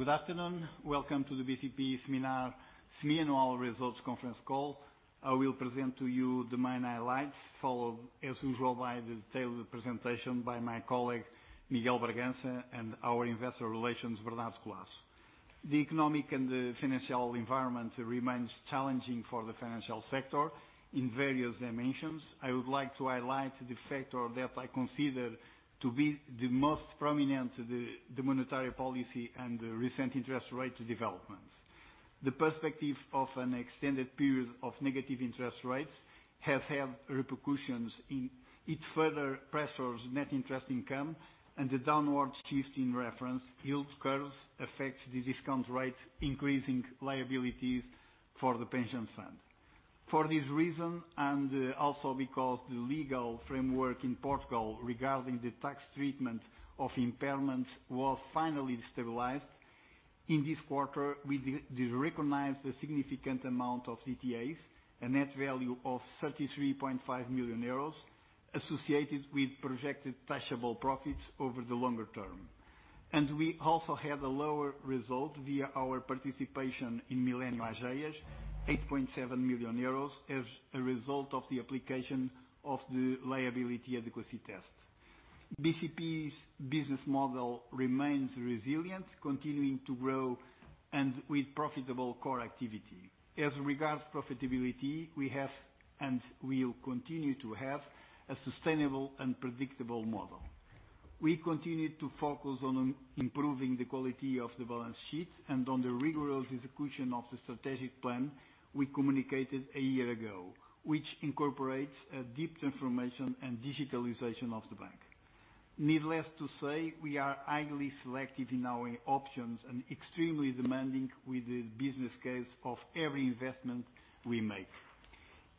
Good afternoon. Welcome to the BCP seminar semiannual results conference call. I will present to you the main highlights, followed, as usual, by the detailed presentation by my colleague, Miguel Bragança, and our investor relations, Bernardo Collaço. The economic and the financial environment remains challenging for the financial sector in various dimensions. I would like to highlight the factor that I consider to be the most prominent, the monetary policy and the recent interest rate developments. The perspective of an extended period of negative interest rates have had repercussions. It further pressures net interest income and the downward shift in reference yield curves affects the discount rate, increasing liabilities for the pension fund. For this reason, and also because the legal framework in Portugal regarding the tax treatment of impairments was finally stabilized, in this quarter, we did recognize the significant amount of DTAs, a net value of 33.5 million euros associated with projected taxable profits over the longer term and we also had a lower result via our participation in Millennium Ageas, 8.7 million euros as a result of the application of the Liability Adequacy Test. BCP's business model remains resilient, continuing to grow and with profitable core activity. As regards profitability, we have and will continue to have a sustainable and predictable model. We continue to focus on improving the quality of the balance sheet and on the rigorous execution of the strategic plan we communicated a year ago, which incorporates a deep transformation and digitalization of the bank. Needless to say, we are highly selective in our options and extremely demanding with the business case of every investment we make.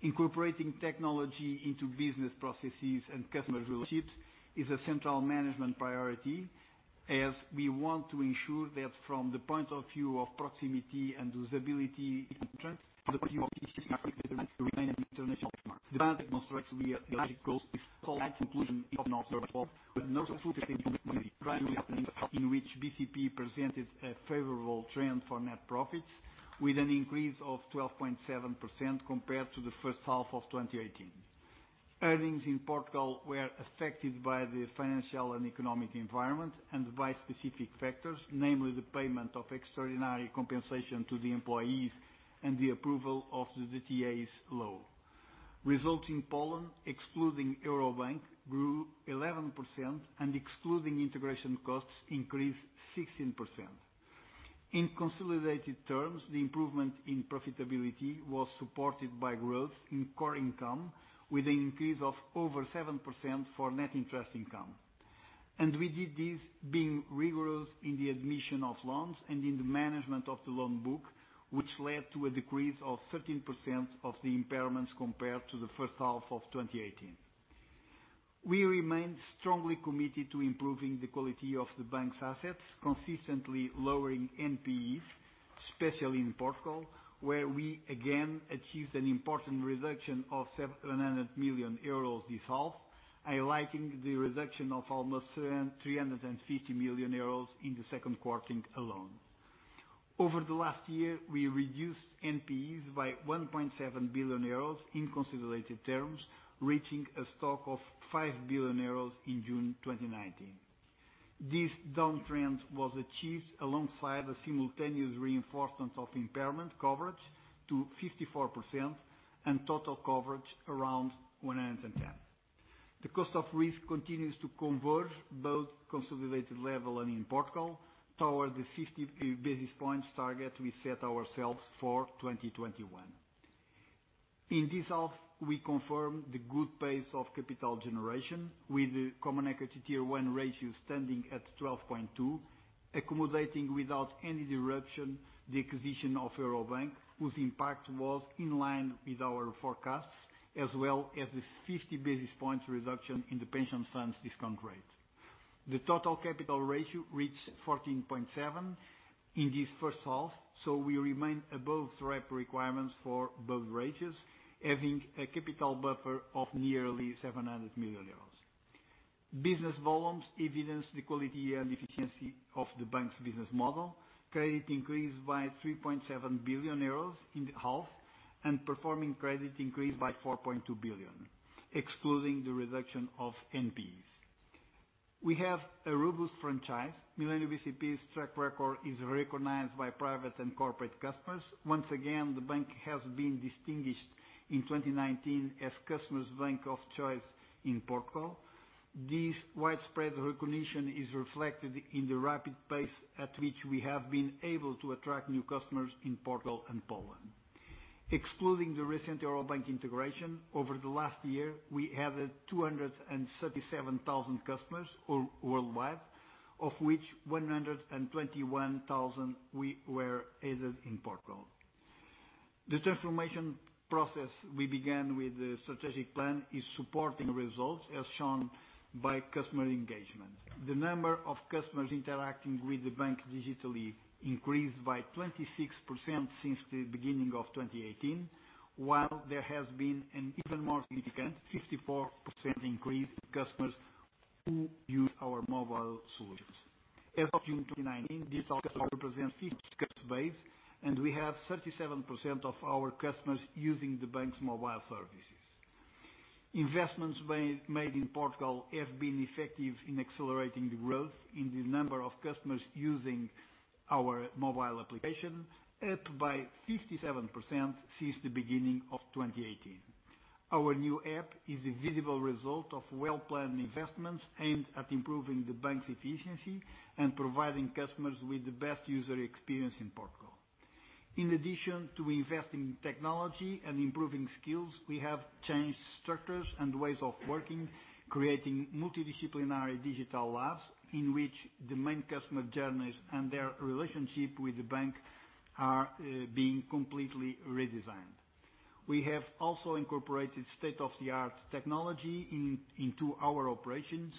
Incorporating technology into business processes and customer relationships is a central management priority as we want to ensure that from the point of view of proximity and usability, interest, from the point of view of remaining an international benchmark. The bank in which BCP presented a favorable trend for net profits with an increase of 12.7% compared to the first half of 2018. Earnings in Portugal were affected by the financial and economic environment and by specific factors, namely the payment of extraordinary compensation to the employees and the approval of the DTAs law. Results in Poland, excluding Eurobank, grew 11% and excluding integration costs increased 16%. In consolidated terms, the improvement in profitability was supported by growth in core income with an increase of over 7% for net interest income. We did this being rigorous in the admission of loans and in the management of the loan book, which led to a decrease of 13% of the impairments compared to the first half of 2018. We remain strongly committed to improving the quality of the bank's assets, consistently lowering NPEs, especially in Portugal, where we again achieved an important reduction of 700 million euros this half, highlighting the reduction of almost 350 million euros in the second quarter alone. Over the last year, we reduced NPEs by 1.7 billion euros in consolidated terms, reaching a stock of 5 billion euros in June 2019. This downtrend was achieved alongside a simultaneous reinforcement of impairment coverage to 54% and total coverage around 110%. The cost of risk continues to converge both consolidated level and in Portugal toward the 50 basis points target we set ourselves for 2021. In this half, we confirm the good pace of capital generation with the Common Equity Tier 1 ratio standing at 12.2, accommodating without any disruption the acquisition of Eurobank, whose impact was in line with our forecasts, as well as the 50 basis points reduction in the pension fund's discount rate. The Total Capital Ratio reached 14.7 in this first half, so we remain above the required requirements for both ratios, having a capital buffer of nearly 700 million euros. Business volumes evidence the quality and efficiency of the bank's business model. Credit increased by 3.7 billion euros in the half, and performing credit increased by 4.2 billion, excluding the reduction of NPEs. We have a robust franchise. Millennium bcp's track record is recognized by private and corporate customers. Once again, the bank has been distinguished in 2019 as customer's bank of choice in Portugal. This widespread recognition is reflected in the rapid pace at which we have been able to attract new customers in Portugal and Poland. Excluding the recent Eurobank integration, over the last year, we added 237,000 customers worldwide, of which 121,000 were added in Portugal. The transformation process we began with the strategic plan is supporting results as shown by customer engagement. The number of customers interacting with the bank digitally increased by 26% since the beginning of 2018, while there has been an even more significant 54% increase in customers who use our mobile solutions. As of June 2019, digital customers represent 50% customer base, and we have 37% of our customers using the bank's mobile services. Investments made in Portugal have been effective in accelerating the growth in the number of customers using our mobile application, up by 57% since the beginning of 2018. Our new app is a visible result of well-planned investments aimed at improving the bank's efficiency and providing customers with the best user experience in Portugal. In addition to investing in technology and improving skills, we have changed structures and ways of working, creating multidisciplinary digital labs in which the main customer journeys and their relationship with the bank are being completely redesigned. We have also incorporated state-of-the-art technology into our operations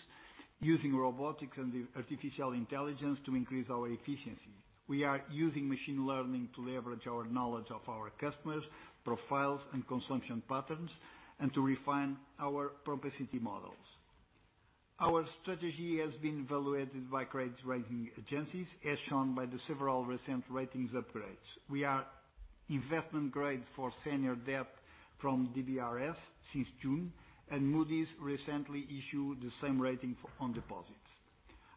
using robotics and artificial intelligence to increase our efficiency. We are using machine learning to leverage our knowledge of our customers' profiles and consumption patterns, and to refine our propensity models. Our strategy has been evaluated by credit rating agencies, as shown by the several recent ratings upgrades. We are investment grade for senior debt from DBRS since June, and Moody's recently issued the same rating on deposits.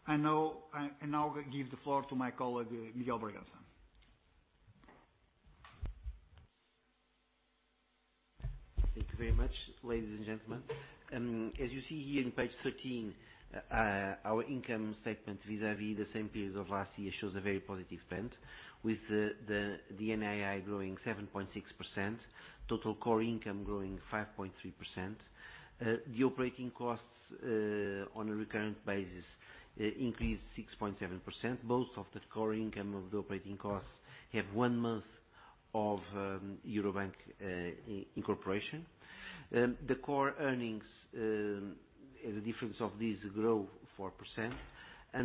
I now give the floor to my colleague, Miguel Bragança. Thank you very much, ladies and gentlemen. As you see here on page 13, our income statement vis-à-vis the same period of last year shows a very positive trend with the NII growing 7.6%, total core income growing 5.3%. The operating costs, on a recurrent basis, increased 6.7%. Both of the core income of the operating costs have one month of Eurobank incorporation. The core earnings, the difference of this grow 4%.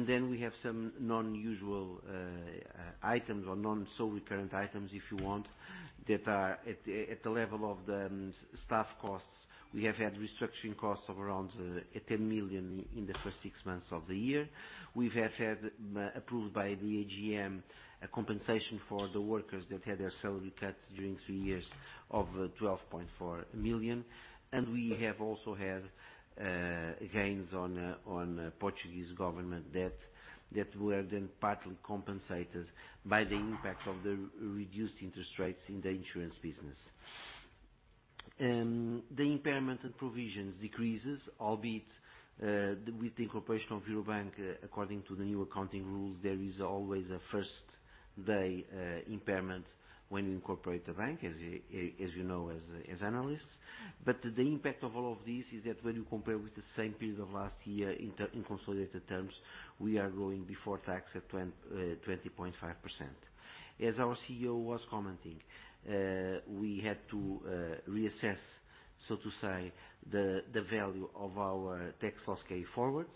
Then we have some non-usual items or non-sole recurrent items, if you want, that are at the level of the staff costs. We have had restructuring costs of around 10 million in the first six months of the year. We have had approved by the AGM a compensation for the workers that had their salary cut during three years of 12.4 million, and we have also had gains on Portuguese government debt that were then partly compensated by the impact of the reduced interest rates in the insurance business. The impairment and provisions decreases, albeit, with the incorporation of Eurobank, according to the new accounting rules, there is always a first-day impairment when you incorporate the bank, as you know as analysts. The impact of all of this is that when you compare with the same period of last year in consolidated terms, we are growing before tax at 20.5%. As our CEO was commenting, we had to reassess, so to say, the value of our tax loss carry-forwards,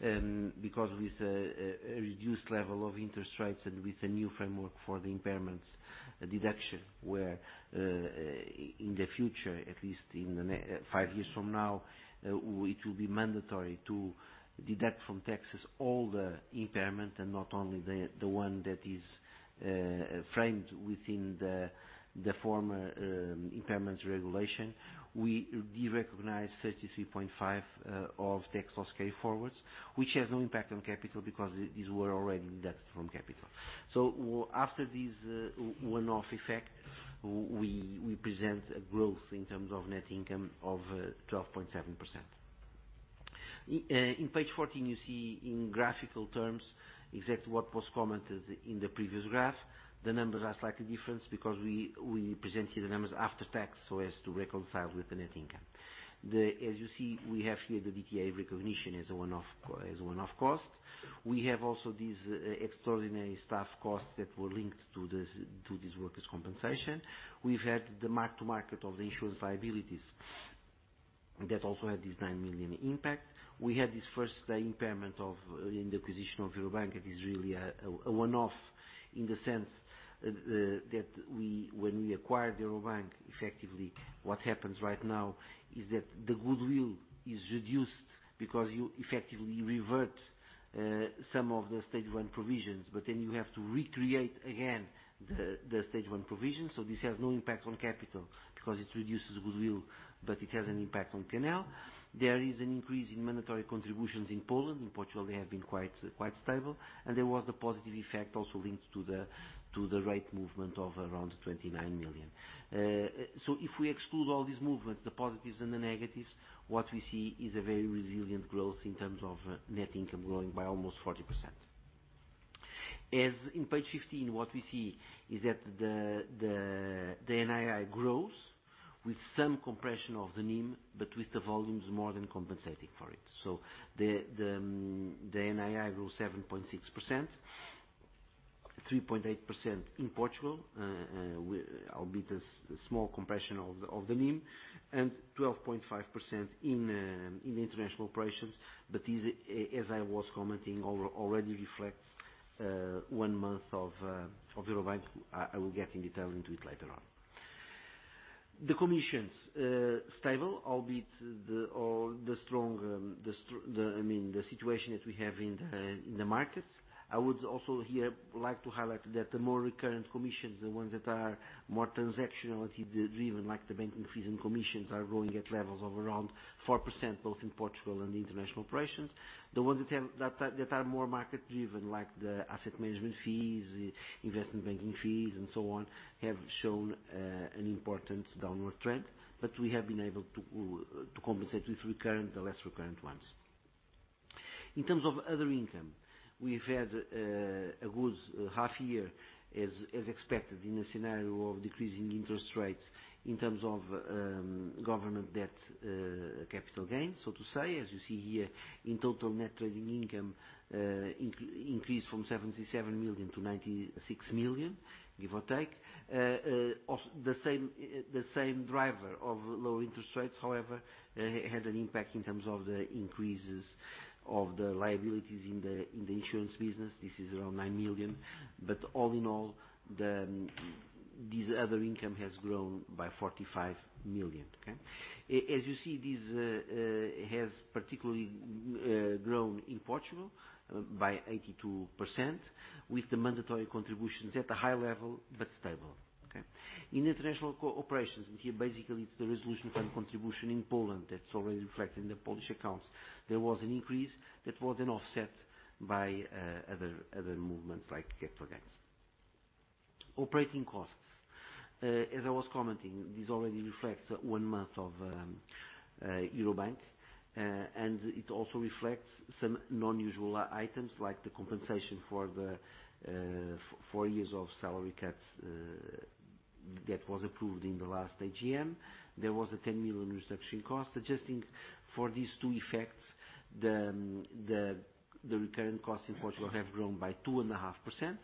and because with a reduced level of interest rates and with a new framework for the impairments deduction, where, in the future, at least five years from now, it will be mandatory to deduct from taxes all the impairment and not only the one that is framed within the former impairments regulation. We derecognize 33.5 of tax loss carry-forwards, which has no impact on capital because these were already deducted from capital. After this one-off effect, we present a growth in terms of net income of 12.7%. In page 14, you see in graphical terms exactly what was commented in the previous graph. The numbers are slightly different because we present here the numbers after tax so as to reconcile with the net income. As you see, we have here the DTA recognition as a one-off cost. We have also these extraordinary staff costs that were linked to these workers compensation. We've had the mark to market of the insurance liabilities that also had this 9 million impact. We had this first day impairment in the acquisition of Eurobank. It is really a one-off in the sense that when we acquired Eurobank, effectively, what happens right now is that the goodwill is reduced because you effectively revert some of the stage 1 provisions, but then you have to recreate again the stage 1 provisions. This has no impact on capital because it reduces goodwill, but it has an impact on P&L. There is an increase in mandatory contributions in Poland. In Portugal, they have been quite stable. There was a positive effect also linked to the rate movement of around 29 million. If we exclude all these movements, the positives and the negatives, what we see is a very resilient growth in terms of net income growing by almost 40%. In page 15, what we see is that the NII grows with some compression of the NIM, but with the volumes more than compensating for it. The NII grows 7.6%, 3.8% in Portugal, albeit a small compression of the NIM, and 12.5% in the international operations. As I was commenting, already reflects one month of Eurobank. I will get in detail into it later on. The commissions stable, albeit the situation that we have in the markets. I would also here like to highlight that the more recurrent commissions, the ones that are more transactionality driven, like the banking fees and commissions, are growing at levels of around 4%, both in Portugal and the international operations. The ones that are more market driven, like the asset management fees, investment banking fees, and so on, have shown an important downward trend but we have been able to compensate with the less recurrent ones. In terms of other income, we've had a good half year, as expected, in a scenario of decreasing interest rates in terms of government debt, capital gains, so to say. As you see here, in total net trading income increased from 77 million-96 million, give or take. The same driver of low interest rates, however, had an impact in terms of the increases of the liabilities in the insurance business. This is around 9 million. All in all, this other income has grown by 45 million. As you see, this has particularly grown in Portugal by 82%, with the mandatory contributions at a high level, but stable. In international operations, here, basically it's the resolution fund contribution in Poland that's already reflected in the Polish accounts. There was an increase that was an offset by other movements like capital gains. Operating costs. As I was commenting, this already reflects one month of Eurobank, and it also reflects some non-usual items like the compensation for the four years of salary cuts that was approved in the last AGM. There was a 10 million reduction cost, suggesting for these two effects, the recurring costs in Portugal have grown by 2.5%,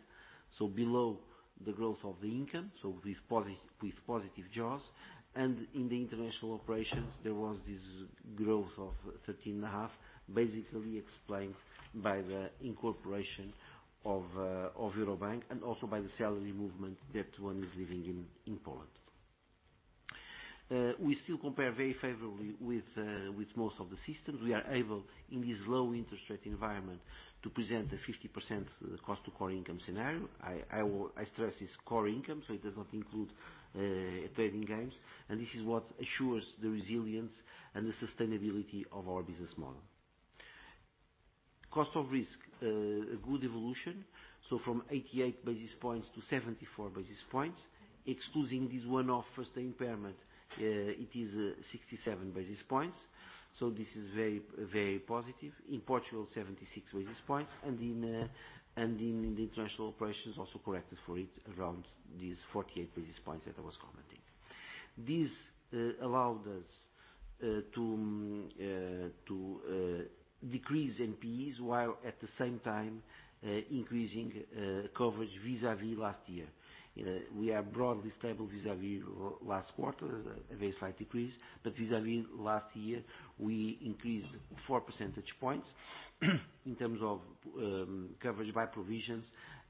so below the growth of the income, with positive jaws. In the international operations, there was this growth of 13.5%, basically explained by the incorporation of Eurobank and also by the salary movement that one is living in Poland. We still compare very favorably with most of the systems. We are able, in this low interest rate environment, to present a 50% cost to core income scenario. I stress it's core income, so it does not include trading gains, and this is what assures the resilience and the sustainability of our business model. Cost of risk, a good evolution. From 88 basis points to 74 basis points, excluding this one-off first impairment, it is 67 basis points. This is very positive. In Portugal, 76 basis points. In the international operations, also corrected for it around these 48 basis points that I was commenting. This allowed us to decrease NPEs, while at the same time increasing coverage vis-à-vis last year. We are broadly stable vis-à-vis last quarter, a very slight decrease, but vis-à-vis last year, we increased 4 percentage points in terms of coverage by provisions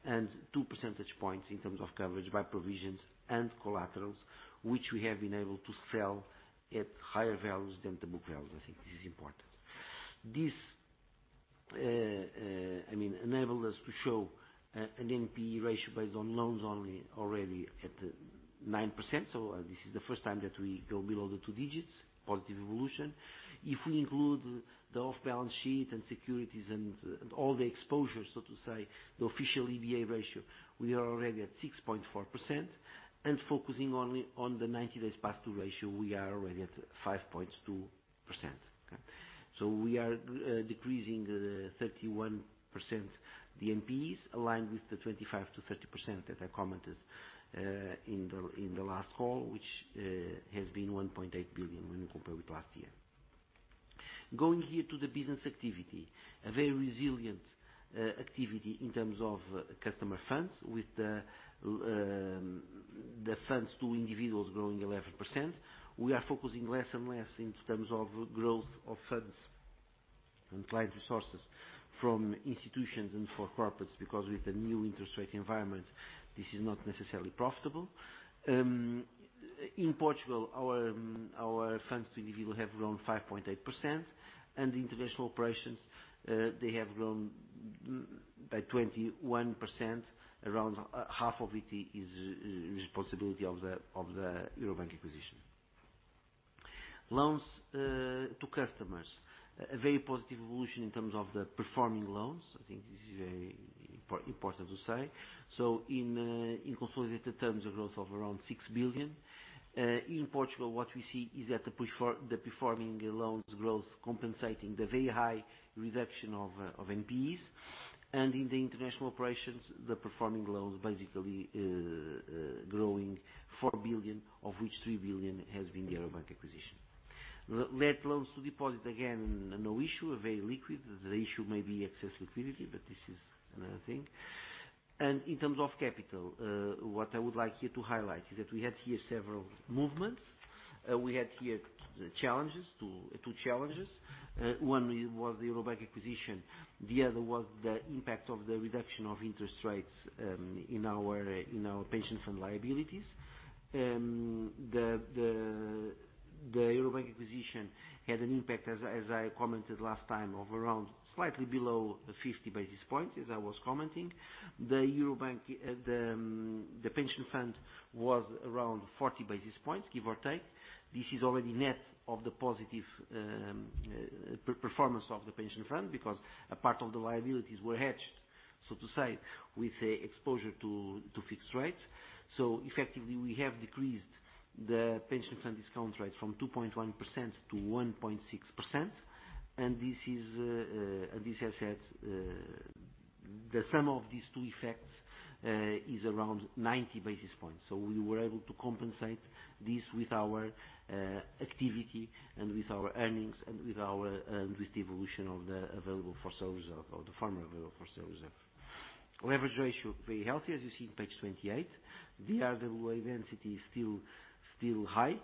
and 2 percentage points in terms of coverage by provisions and collaterals, which we have been able to sell at higher values than the book values. I think this is important. This enabled us to show an NPE ratio based on loans only already at 9%. This is the first time that we go below the two digits. Positive evolution. If we include the off-balance sheet and securities and all the exposure, so to say, the official EBA ratio, we are already at 6.4%. Focusing only on the 90-days past due ratio, we are already at 5.2%. We are decreasing 31% the NPEs, aligned with the 25%-30% that I commented in the last call, which has been 1.8 billion when we compare with last year. Going here to the business activity, a very resilient activity in terms of customer funds with the funds to individuals growing 11%. We are focusing less and less in terms of growth of funds and client resources from institutions and for corporates, because with the new interest rate environment, this is not necessarily profitable. In Portugal, our funds to individual have grown 5.8%, and the international operations, they have grown by 21%, around half of it is responsibility of the Eurobank acquisition. Loans to customers. A very positive evolution in terms of the performing loans. I think this is very important to say. In consolidated terms, a growth of around 6 billion. In Portugal, what we see is that the performing loans growth compensating the very high reduction of NPEs. In the international operations, the performing loans basically growing 4 billion, of which 3 billion has been the Eurobank acquisition. Net loans to deposit, again, no issue, very liquid. The issue may be excess liquidity, but this is another thing. In terms of capital, what I would like here to highlight is that we had here several movements. We had here two challenges. One was the Eurobank acquisition, the other was the impact of the reduction of interest rates in our pensions and liabilities. The Eurobank acquisition had an impact, as I commented last time, of around slightly below 50 basis points, as I was commenting. The pension fund was around 40 basis points, give or take. This is already net of the positive performance of the pension fund, because a part of the liabilities were hedged, so to say, with exposure to fixed rates. Effectively, we have decreased the pension fund discount rate from 2.1% to 1.6%. The sum of these two effects is around 90 basis points. We were able to compensate this with our activity and with our earnings and with the evolution of the fair value reserve. Leverage ratio, very healthy as you see on page 28. The RWA density is still high.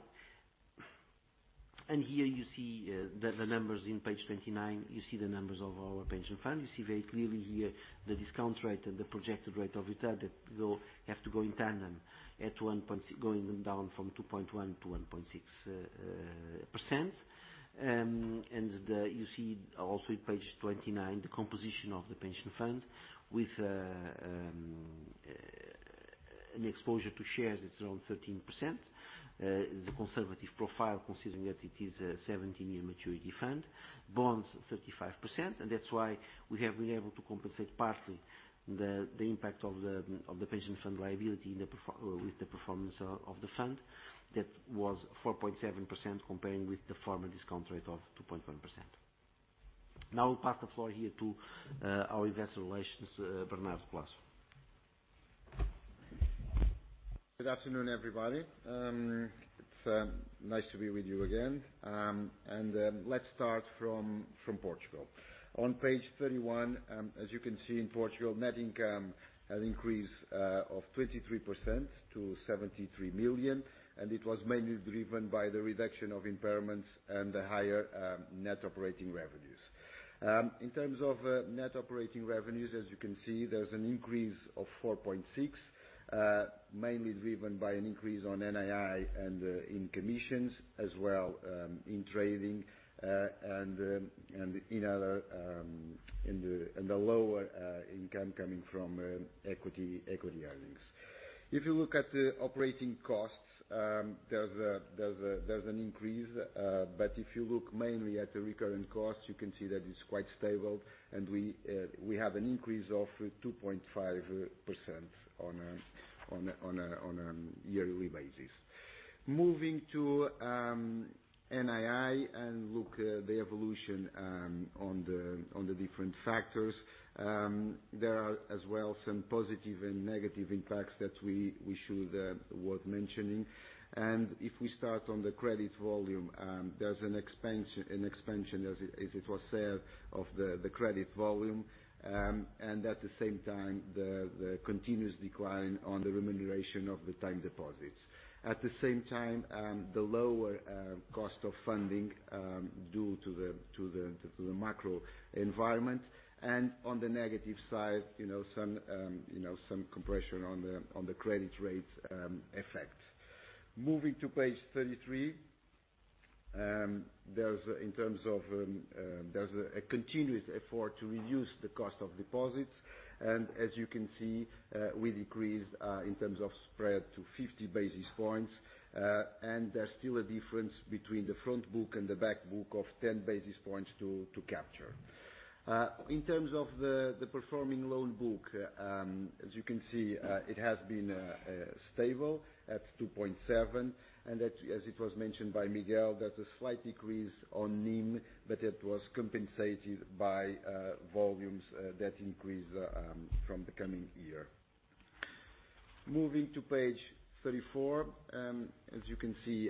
Here you see the numbers on page 29. You see the numbers of our pension fund. You see very clearly here the discount rate and the projected rate of return that have to go in tandem, going down from 2.1% to 1.6%. You see also on page 29, the composition of the pension fund with an exposure to shares that's around 13%. The conservative profile, considering that it is a 17-year maturity fund. Bonds, 35%. That's why we have been able to compensate partly the impact of the pension fund liability with the performance of the fund that was 4.7% comparing with the former discount rate of 2.1%. Now I'll pass the floor here to our investor relations, Bernardo Collaço. Good afternoon, everybody. It's nice to be with you again and then let's start from Portugal. On page 31, as you can see in Portugal, net income had increase of 23% to 73 million. It was mainly driven by the reduction of impairments and the higher net operating revenues. In terms of net operating revenues, as you can see, there's an increase of 4.6%, mainly driven by an increase on NII and in commissions as well, in trading, and the lower income coming from equity earnings. If you look at the operating costs, there's an increase but if you look mainly at the recurrent costs, you can see that it's quite stable and we have an increase of 2.5% on a yearly basis. Moving to NII and look at the evolution on the different factors. There are as well some positive and negative impacts that we should worth mentioning. If we start on the credit volume, there's an expansion, as it was said, of the credit volume. At the same time, the continuous decline on the remuneration of the time deposits. At the same time, the lower cost of funding due to the macro environment. On the negative side, some compression on the credit rates effects. Moving to page 33. There's a continuous effort to reduce the cost of deposits. As you can see, we decreased, in terms of spread, to 50 basis points. There's still a difference between the front book and the back book of 10 basis points to capture. In terms of the performing loan book, as you can see, it has been stable at 2.7, and as it was mentioned by Miguel, there's a slight decrease on NIM, but it was compensated by volumes that increased from the coming year. Moving to page 34. As you can see,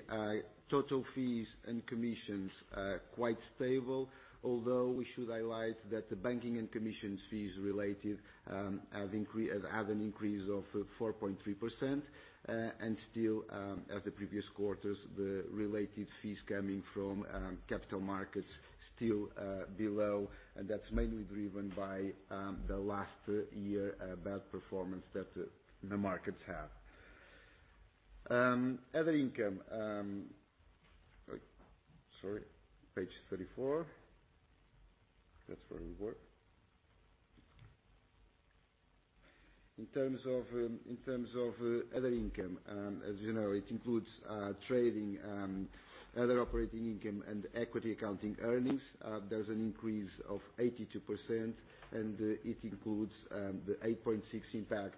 total fees and commissions are quite stable, although we should highlight that the banking and commissions fees related have an increase of 4.3%. Still, as the previous quarters, the related fees coming from capital markets still below, and that's mainly driven by the last year bad performance that the markets have. Other income. Sorry, page 34. That's where we were. In terms of other income, as you know, it includes trading, other operating income and equity accounting earnings. There's an increase of 82% and it includes the 8.6 impact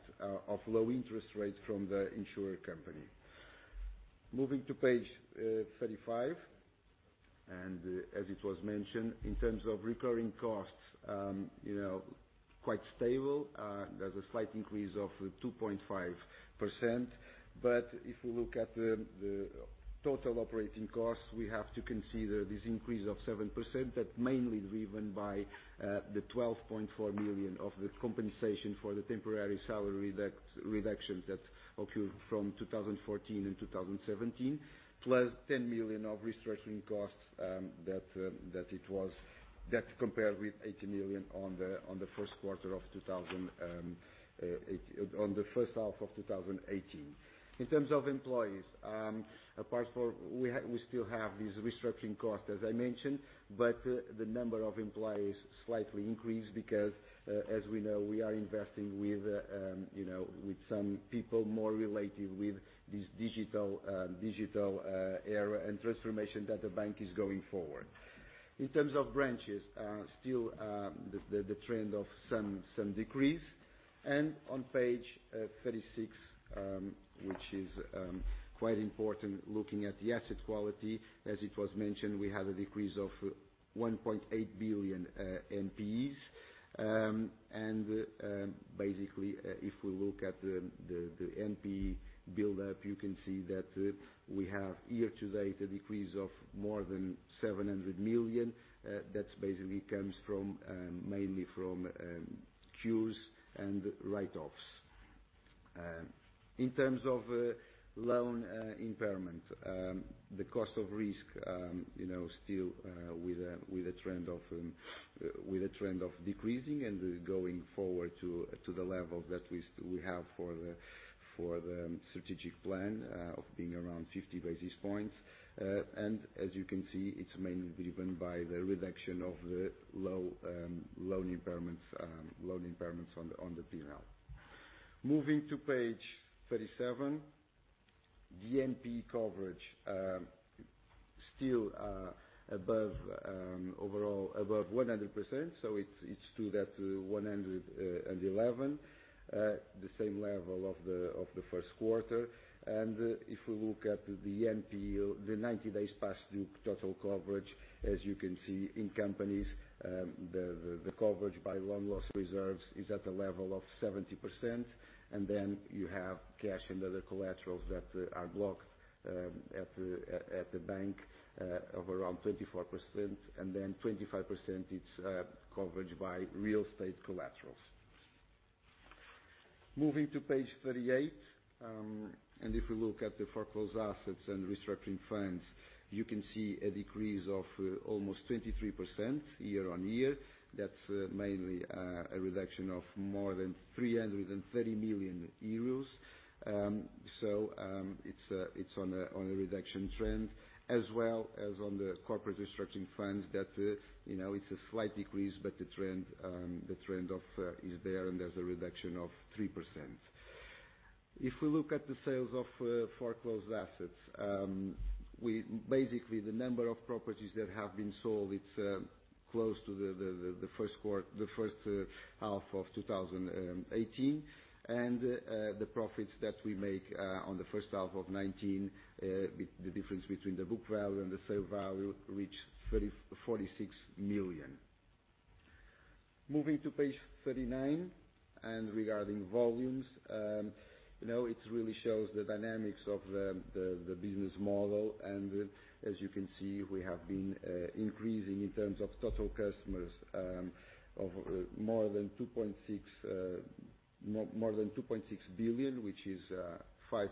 of low interest rates from the insurer company. Moving to page 35. As it was mentioned, in terms of recurring costs. Quite stable. There's a slight increase of 2.5%. If we look at the total operating costs, we have to consider this increase of 7%, that's mainly driven by the 12.4 million of the compensation for the temporary salary reductions that occurred from 2014 and 2017, plus 10 million of restructuring costs that compared with 80 million on the first half of 2018. In terms of employees, we still have these restructuring costs as I mentioned but the number of employees slightly increased because as we know, we are investing with some people more related with this digital era and transformation that the bank is going forward. In terms of branches, there is still the trend of some decrease. On page 36, which is quite important looking at the asset quality, as it was mentioned, we had a decrease of 1.8 billion NPEs. Basically, if we look at the NPE buildup, you can see that we have year-to-date a decrease of more than 700 million. That basically comes mainly from cures and write-offs. In terms of loan impairment, the cost of risk still with a trend of decreasing and going forward to the level that we have for the strategic plan of being around 50 basis points. As you can see, it's mainly driven by the reduction of the loan impairments on the P&L. Moving to page 37, the NPE coverage still overall above 100%, so it's still at 111, the same level of the first quarter. If we look at the NPE, the 90 days past due total coverage, as you can see in companies, the coverage by loan loss reserves is at a level of 70%, and then you have cash and other collaterals that are blocked at the bank of around 24%, and then 25% it's covered by real estate collaterals. Moving to page 38, and if we look at the foreclosed assets and restructuring funds, you can see a decrease of almost 23% year-on-year. That's mainly a reduction of more than 330 million euros. It's on a reduction trend as well as on the corporate restructuring funds that it's a slight decrease, but the trend is there and there's a reduction of 3%. If we look at the sales of foreclosed assets, basically the number of properties that have been sold, it's close to the first half of 2018. The profits that we make on the first half of 2019, the difference between the book value and the sale value, reached 46 million. Moving to page 39, and regarding volumes, it really shows the dynamics of the business model, as you can see, we have been increasing in terms of total customers of more than 2.6 billion, which is 5%,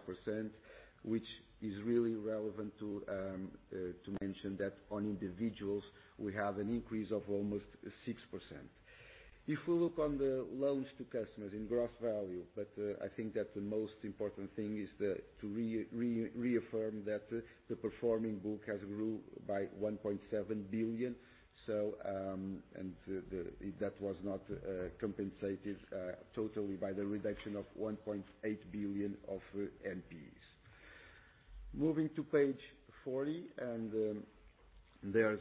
which is really relevant to mention that on individuals we have an increase of almost 6%. If we look on the loans to customers in gross value, I think that the most important thing is to reaffirm that the performing book has grown by 1.7 billion, that was not compensative totally by the reduction of 1.8 billion of NPEs. Moving to page 40, there's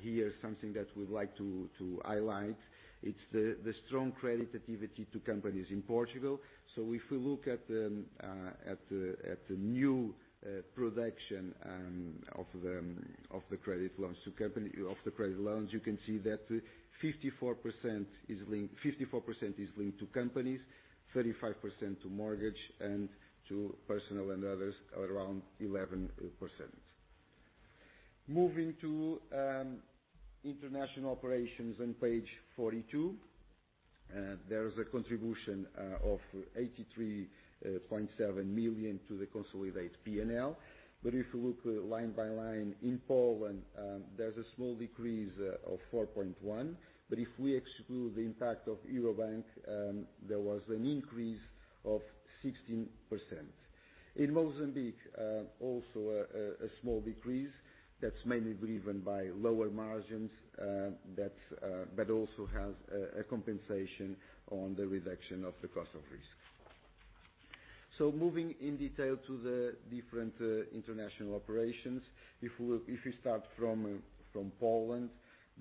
here something that we'd like to highlight. It's the strong credit activity to companies in Portugal. If we look at the new production of the credit loans, you can see that 54% is linked to companies, 35% to mortgage, and to personal and others are around 11%. Moving to international operations on page 42, there is a contribution of 83.7 million to the consolidated P&L. If you look line by line in Poland, there is a small decrease of 4.1, but if we exclude the impact of Eurobank, there was an increase of 16%. In Mozambique, also a small decrease that's mainly driven by lower margins, but also has a compensation on the reduction of the cost of risk. Moving in detail to the different international operations. If we start from Poland,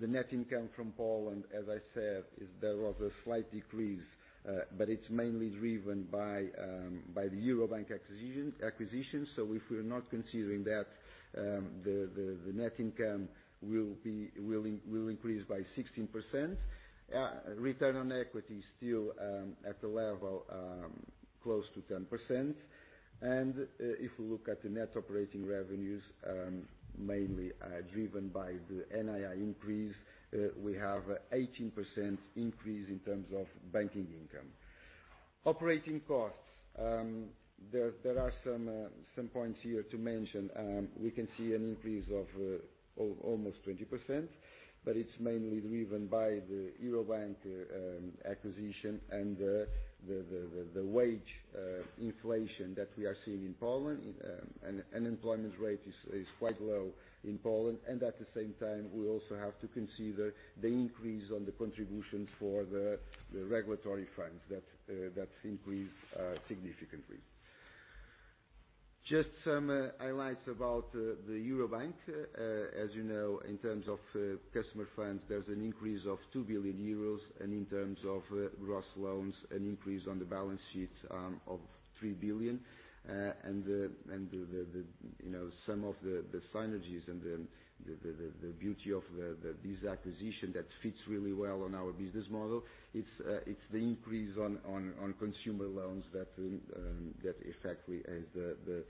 the net income from Poland, as I said, there was a slight decrease, but it's mainly driven by the Eurobank acquisition. If we're not considering that, the net income will increase by 16%. Return on equity is still at the level close to 10%. If we look at the net operating revenues, mainly driven by the NII increase, we have 18% increase in terms of banking income. Operating costs. There are some points here to mention. We can see an increase of almost 20%, but it's mainly driven by the Eurobank acquisition and the wage inflation that we are seeing in Poland. Unemployment rate is quite low in Poland, and at the same time, we also have to consider the increase on the contributions for the regulatory funds that increased significantly. Just some highlights about the Eurobank. As you know, in terms of customer funds, there's an increase of 2 billion euros, and in terms of gross loans, an increase on the balance sheet of 3 billion and some of the synergies and the beauty of this acquisition that fits really well on our business model, it is the increase on consumer loans that effectively is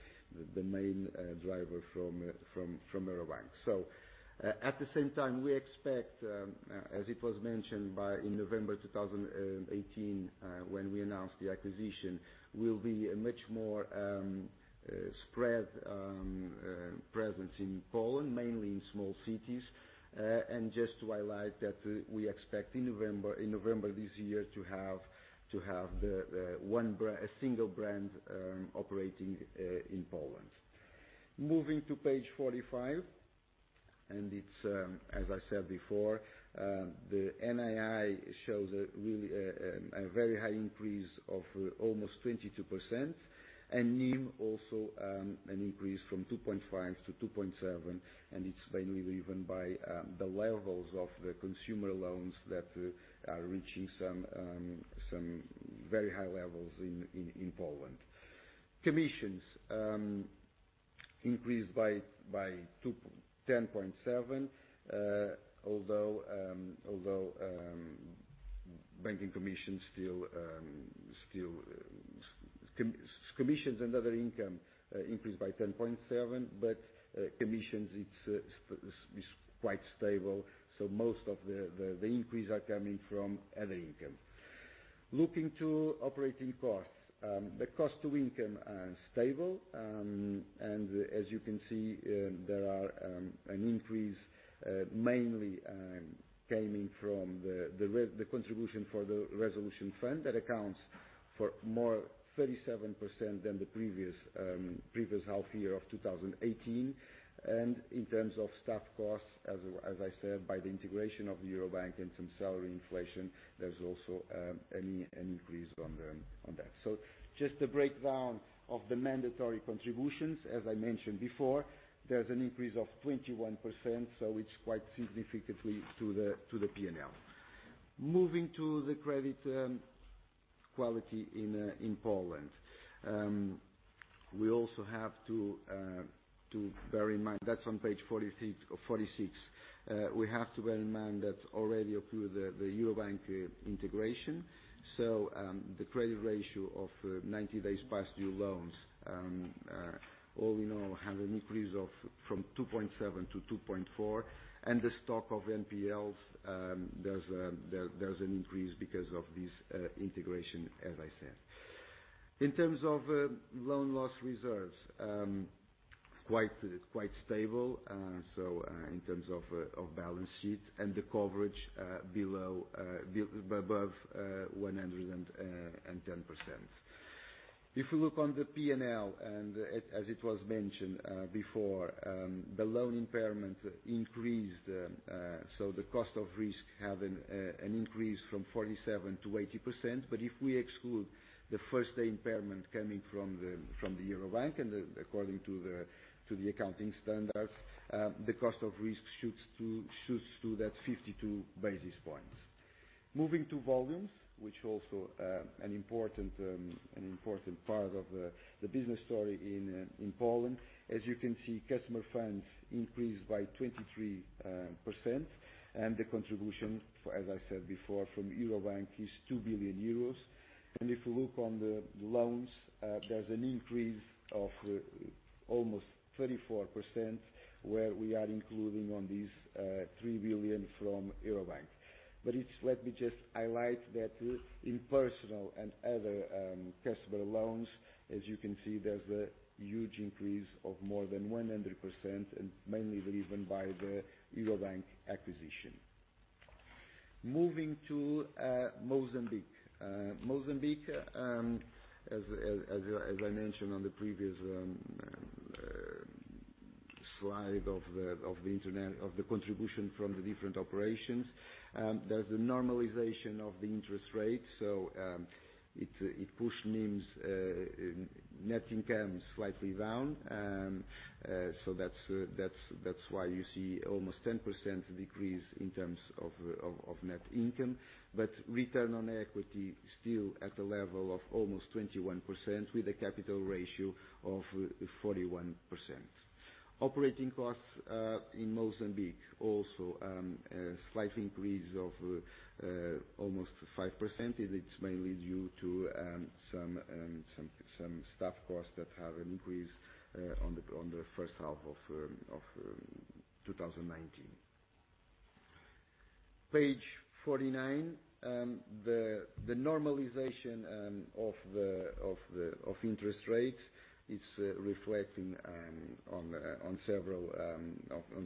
the main driver from Eurobank. At the same time, we expect, as it was mentioned in November 2018 when we announced the acquisition, will be a much more spread presence in Poland, mainly in small cities. Just to highlight that we expect in November of this year to have a single brand operating in Poland. Moving to page 45, and as I said before, the NII shows a very high increase of almost 22%, and NIM also an increase from 2.5%-2.7%, and it is mainly driven by the levels of the consumer loans that are reaching some very high levels in Poland. Commissions and other income increased by 10.7 but commissions is quite stable, most of the increase are coming from other income. Looking to operating costs. The cost to income are stable. As you can see, there are an increase mainly coming from the contribution for the Resolution Fund. That accounts for more 37% than the previous half year of 2018. In terms of staff costs, as I said, by the integration of Eurobank and some salary inflation, there's also an increase on that. Just the breakdown of the mandatory contributions. As I mentioned before, there's an increase of 21% so it's quite significantly to the P&L. Moving to the credit quality in Poland, we also have to bear in mind, that's on page 46, we have to bear in mind that already approved the Eurobank integration. The credit ratio of 90 days past due loans, all we know, had an increase from 2.7 to 2.4. The stock of NPLs, there's an increase because of this integration, as I said. In terms of loan loss reserves, quite stable. In terms of balance sheet and the coverage above 110%. If we look on the P&L, as it was mentioned before, the loan impairment increased, so the cost of risk had an increase from 47% to 80%. If we exclude the first day impairment coming from the Eurobank and according to the accounting standards, the cost of risk shoots to that 52 basis points. Moving to volumes, which also an important part of the business story in Poland. As you can see, customer funds increased by 23%, and the contribution, as I said before, from Eurobank is 2 billion euros. If you look on the loans, there's an increase of almost 34%, where we are including on these 3 billion from Eurobank. Let me just highlight that in personal and other customer loans, as you can see, there's a huge increase of more than 100%, and mainly driven by the Eurobank acquisition. Moving to Mozambique. Mozambique, as I mentioned on the previous slide of the Internet, of the contribution from the different operations. There's a normalization of the interest rate, so it pushed NIMs net income slightly down so that's why you see almost 10% decrease in terms of net income, but return on equity still at the level of almost 21% with a capital ratio of 41%. Operating costs, in Mozambique, also a slight increase of almost 5%. It is mainly due to some staff costs that have increased on the first half of 2019. Page 49, the normalization of interest rates is reflecting on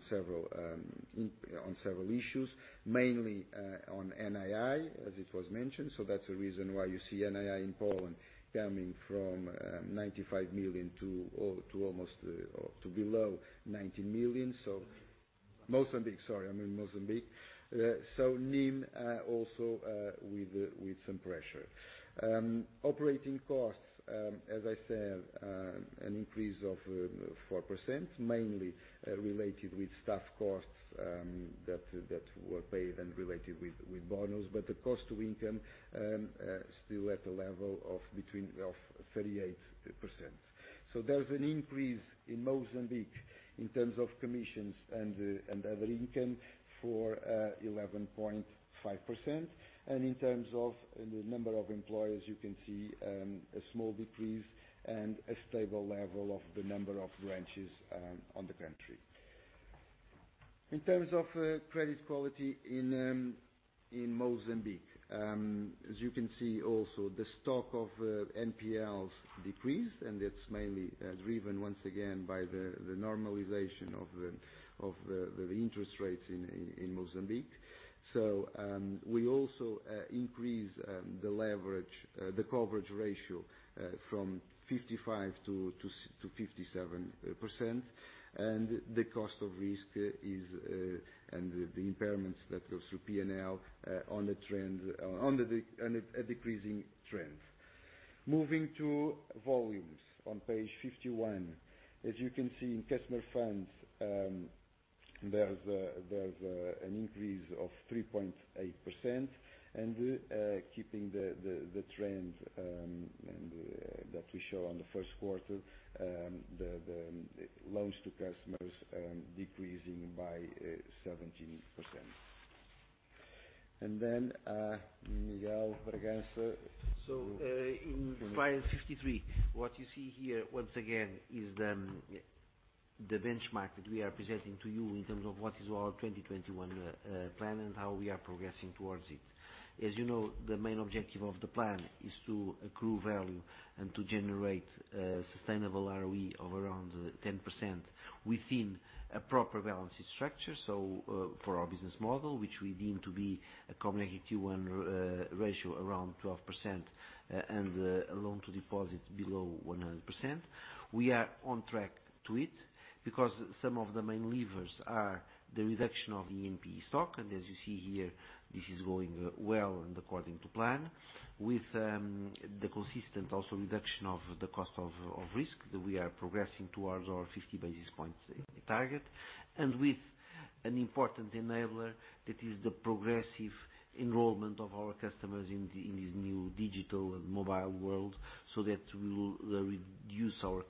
several issues, mainly on NII, as it was mentioned. That's the reason why you see NII in Poland coming from 95 million to below 19 million. Mozambique, sorry, I mean Mozambique. NIM also with some pressure. Operating costs, as I said, an increase of 4%, mainly related with staff costs that were paid and related with bonuses. The cost to income, still at the level of 38%. There's an increase in Mozambique in terms of commissions and other income for 11.5%. In terms of the number of employers, you can see, a small decrease and a stable level of the number of branches in the country. In terms of credit quality in Mozambique. As you can see also, the stock of NPLs decreased. It's mainly driven, once again, by the normalization of the interest rates in Mozambique. We also increase the coverage ratio from 55% to 57%. The cost of risk and the impairments that goes through P&L on a decreasing trend. Moving to volumes on page 51. As you can see in customer funds, there's an increase of 3.8% and keeping the trend that we show on the first quarter, the loans to customers decreasing by 17%. Miguel Bragança. In slide 53, what you see here, once again, is the benchmark that we are presenting to you in terms of what is our 2021 plan and how we are progressing towards it. As you know, the main objective of the plan is to accrue value and to generate sustainable ROE of around 10% within a proper balanced structure. For our business model, which we deem to be a Common Equity Tier 1 ratio around 12%, and a loan to deposit below 100%. We are on track to it because some of the main levers are the reduction of the NPE stock. As you see here, this is going well and according to plan. With the consistent also reduction of the cost of risk, that we are progressing towards our 50 basis points target. With an important enabler that is the progressive enrollment of our customers in this new digital and mobile world, so that we will reduce our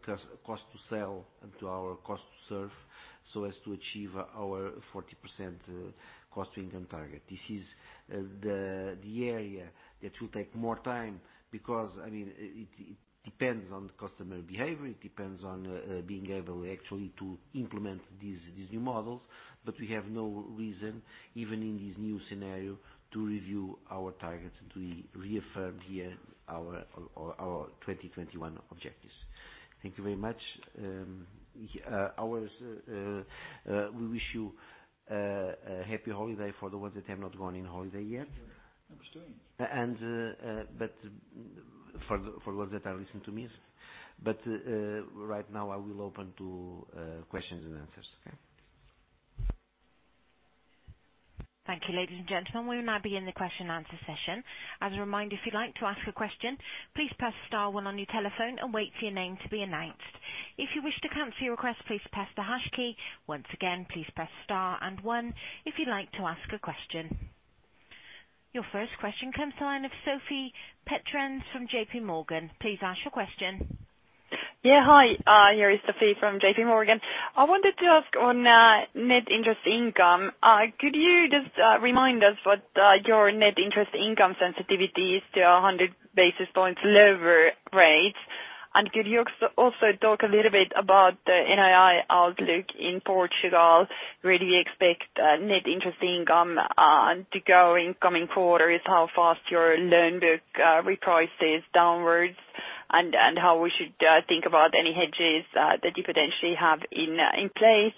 cost to sell and to our cost to serve, so as to achieve our 40% cost to income target. This is the area that will take more time because it depends on customer behavior, it depends on being able actually to implement these new models. We have no reason, even in this new scenario, to review our targets, and we reaffirm here our 2021 objectives. Thank you very much. We wish you a happy holiday for the ones that have not gone on holiday yet. That was strange. For those that are listening to me. Right now I will open to questions and answers. Okay. Thank you, ladies and gentlemen, we will now begin the question-and-answer session. As a reminder, if you would like to ask a question, please press star one on your telephone and wait for your name to be announced. If you wish to cancel your request, please press the hash key. Once again, please press star and one if you would like to ask a question. Your first question comes the line of Sophie Peterzens from JPMorgan. Please ask your question. Yeah. Hi, here is Sophie from JPMorgan. I wanted to ask on net interest income, could you just remind us what your net interest income sensitivity is to 100 basis points lower rate, and could you also talk a little bit about the NII outlook in Portugal, whether you expect net interest income to grow in coming quarter, is how fast your loan book reprices downwards, and how we should think about any hedges that you potentially have in place?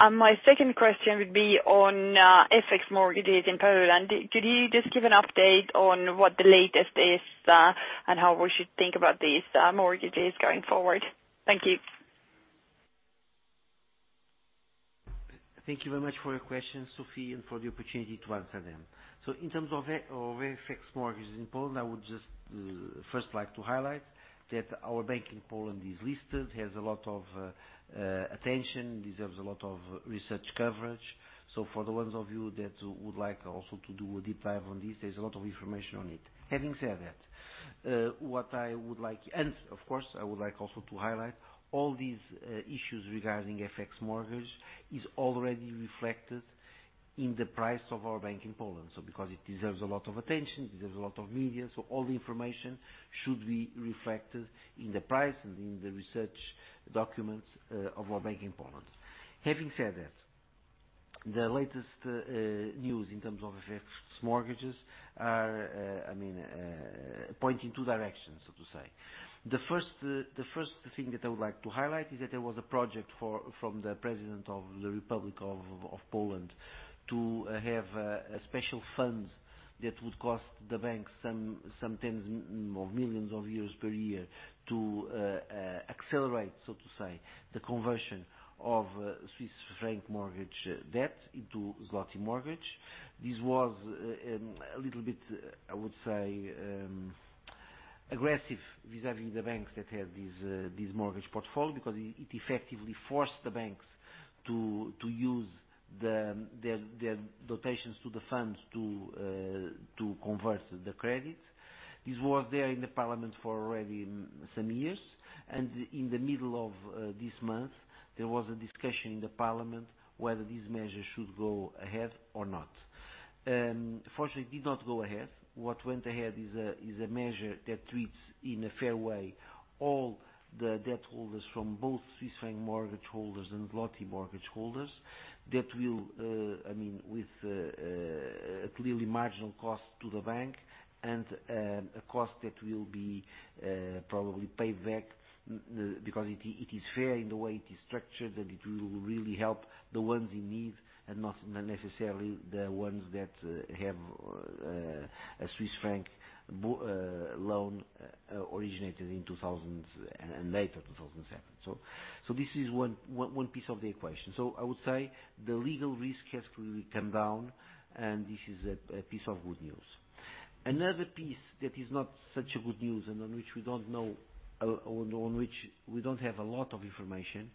My second question would be on FX mortgages in Poland, could you just give an update on what the latest is, and how we should think about these mortgages going forward? Thank you. Thank you very much for your question, Sophie, and for the opportunity to answer them. In terms of FX mortgages in Poland, I would just first like to highlight that our bank in Poland is listed, has a lot of attention, deserves a lot of research coverage. For the ones of you that would like also to do a deep dive on this, there is a lot of information on it. Having said that, of course, I would like also to highlight all these issues regarding FX mortgage is already reflected in the price of our bank in Poland, because it deserves a lot of attention, it deserves a lot of media. All the information should be reflected in the price and in the research documents of our bank in Poland. Having said that, the latest news in terms of FX mortgages are pointing two directions, so to say. The first thing that I would like to highlight is that there was a project from the president of the Republic of Poland to have a special fund that would cost the bank some tens of millions of euros per year to accelerate, so to say, the conversion of Swiss franc mortgage debt into złoty mortgage. This was a little bit, I would say, aggressive vis-à-vis the banks that had this mortgage portfolio because it effectively forced the banks to use their donations to the funds to convert the credit. This was there in the parliament for already some years, and in the middle of this month, there was a discussion in the parliament whether this measure should go ahead or not. Unfortunately, it did not go ahead. What went ahead is a measure that treats, in a fair way, all the debt holders from both Swiss franc mortgage holders and złoty mortgage holders. That will, with clearly marginal cost to the bank and a cost that will be probably paid back because it is fair in the way it is structured, and it will really help the ones in need and not necessarily the ones that have a Swiss franc loan originated in 2000 and then later, 2007. This is one piece of the equation. I would say the legal risk has clearly come down, and this is a piece of good news. Another piece that is not such a good news and on which we don't have a lot of information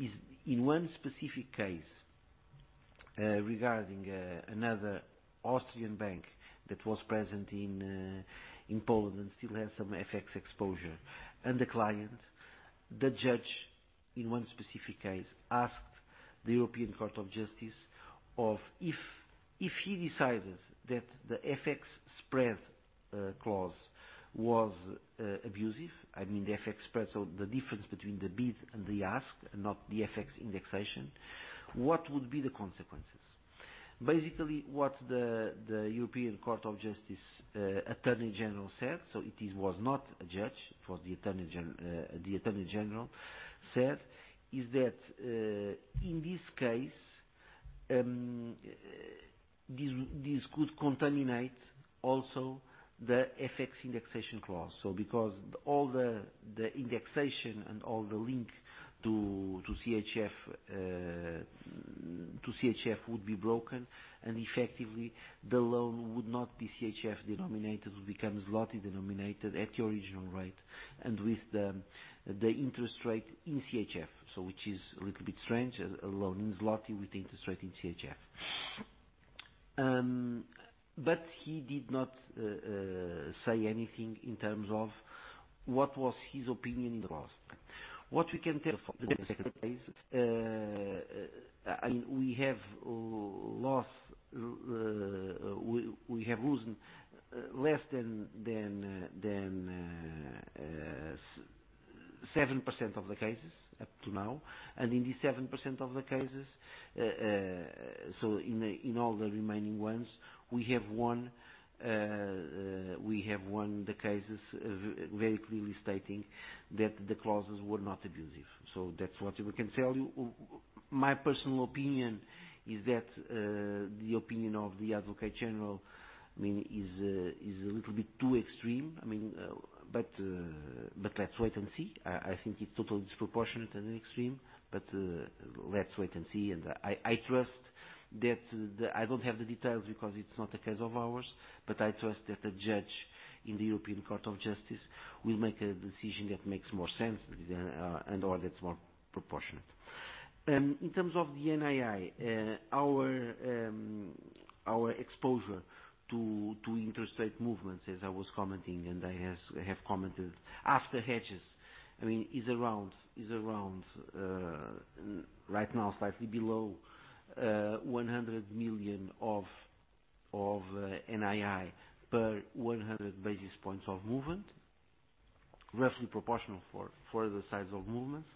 is in one specific case regarding another Austrian bank that was present in Poland and still has some FX exposure. The client, the judge, in one specific case, asked the European Court of Justice if he decided that the FX spread clause was abusive, the FX spread, so the difference between the bid and the ask, not the FX indexation, what would be the consequences? Basically, what the European Court of Justice attorney general said, so it was not a judge, it was the attorney general, said is that, in this case, this could contaminate also the FX indexation clause, so because all the indexation and all the link to CHF would be broken, and effectively the loan would not be CHF denominated, would become złoty denominated at the original rate and with the interest rate in CHF, so which is a little bit strange, a loan in złoty with interest rate in CHF. He did not say anything in terms of what was his opinion in the clause. What we can tell from the second case, we have lost less than 7% of the cases up to now. In the 7% of the cases, so in all the remaining ones, we have won the cases very clearly stating that the clauses were not abusive. That's what we can tell you. My personal opinion is that the opinion of the advocate general is a little bit too extreme. Let's wait and see. I think it's totally disproportionate and extreme, but let's wait and see. I don't have the details because it's not a case of ours, but I trust that the judge in the European Court of Justice will make a decision that makes more sense and/or that's more proportionate. In terms of the NII, our exposure to interest rate movements, as I was commenting and I have commented, after hedges, is around, right now, slightly below 100 million of NII per 100 basis points of movement, roughly proportional for the size of movements.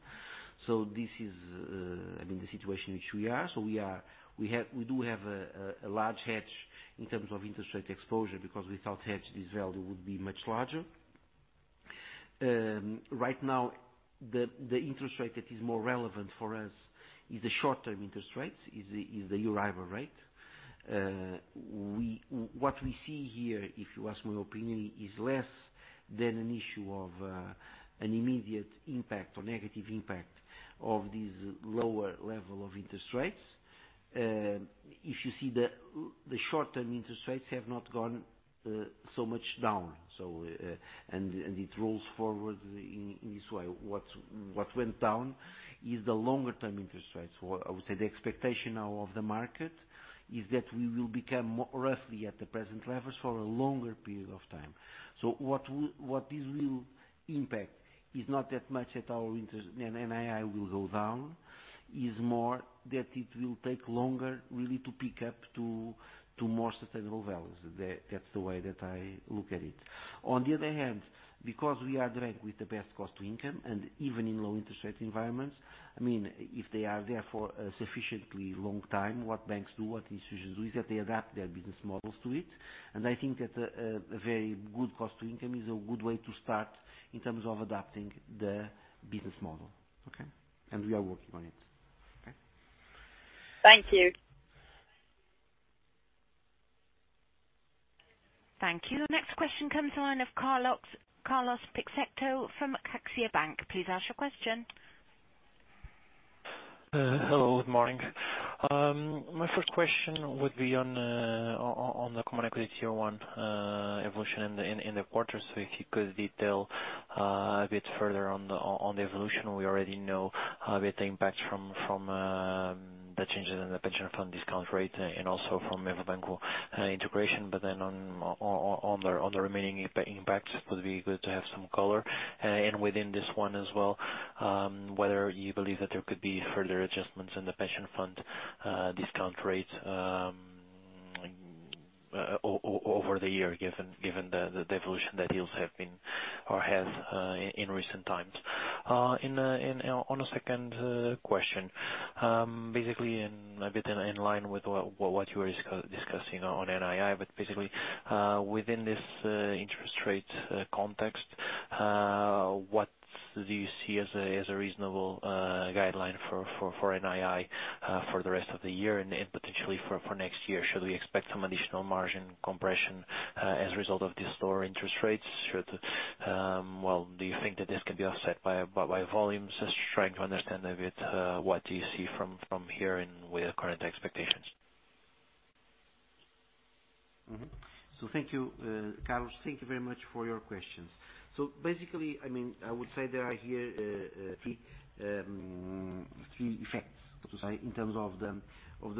This is the situation which we are. We do have a large hedge in terms of interest rate exposure, because without hedge, this value would be much larger. Right now, the interest rate that is more relevant for us is the short-term interest rates, is the Euribor rate. What we see here, if you ask my opinion, is less than an issue of an immediate impact or negative impact of this lower level of interest rates. If you see, the short-term interest rates have not gone so much down and it rolls forward in this way. What went down is the longer-term interest rates. I would say the expectation now of the market is that we will become more roughly at the present levels for a longer period of time. What this will impact is not that much that our interest, NII will go down, is more that it will take longer really to pick up to more sustainable values. That's the way that I look at it. On the other hand, because we are ranked with the best cost to income and even in low interest rate environments, if they are there for a sufficiently long time, what banks do, what institutions do, is that they adapt their business models to it. I think that a very good cost to income is a good way to start in terms of adapting the business model. Okay? We are working on it. Okay? Thank you. Thank you. Next question comes the line of Carlos Peixoto from CaixaBank. Please ask your question. Hello, good morning. My first question would be on the Common Equity Tier 1 evolution in the quarter. If you could detail a bit further on the evolution. We already know a bit the impact from the changes in the pension fund discount rate and also from Eurobank integration but then on the remaining impact, it would be good to have some color. Within this one as well, whether you believe that there could be further adjustments in the pension fund discount rate over the year, given the evolution that yields have been or has in recent times. On a second question, basically a bit in line with what you were discussing on NII, but basically, within this interest rate context, what do you see as a reasonable guideline for NII for the rest of the year and potentially for next year? Should we expect some additional margin compression as a result of these lower interest rates? Do you think that this can be offset by volumes? Just trying to understand a bit, what do you see from here and with the current expectations? Thank you, Carlos. Thank you very much for your questions. Basically, I would say there are here three effects, so to say, in terms of the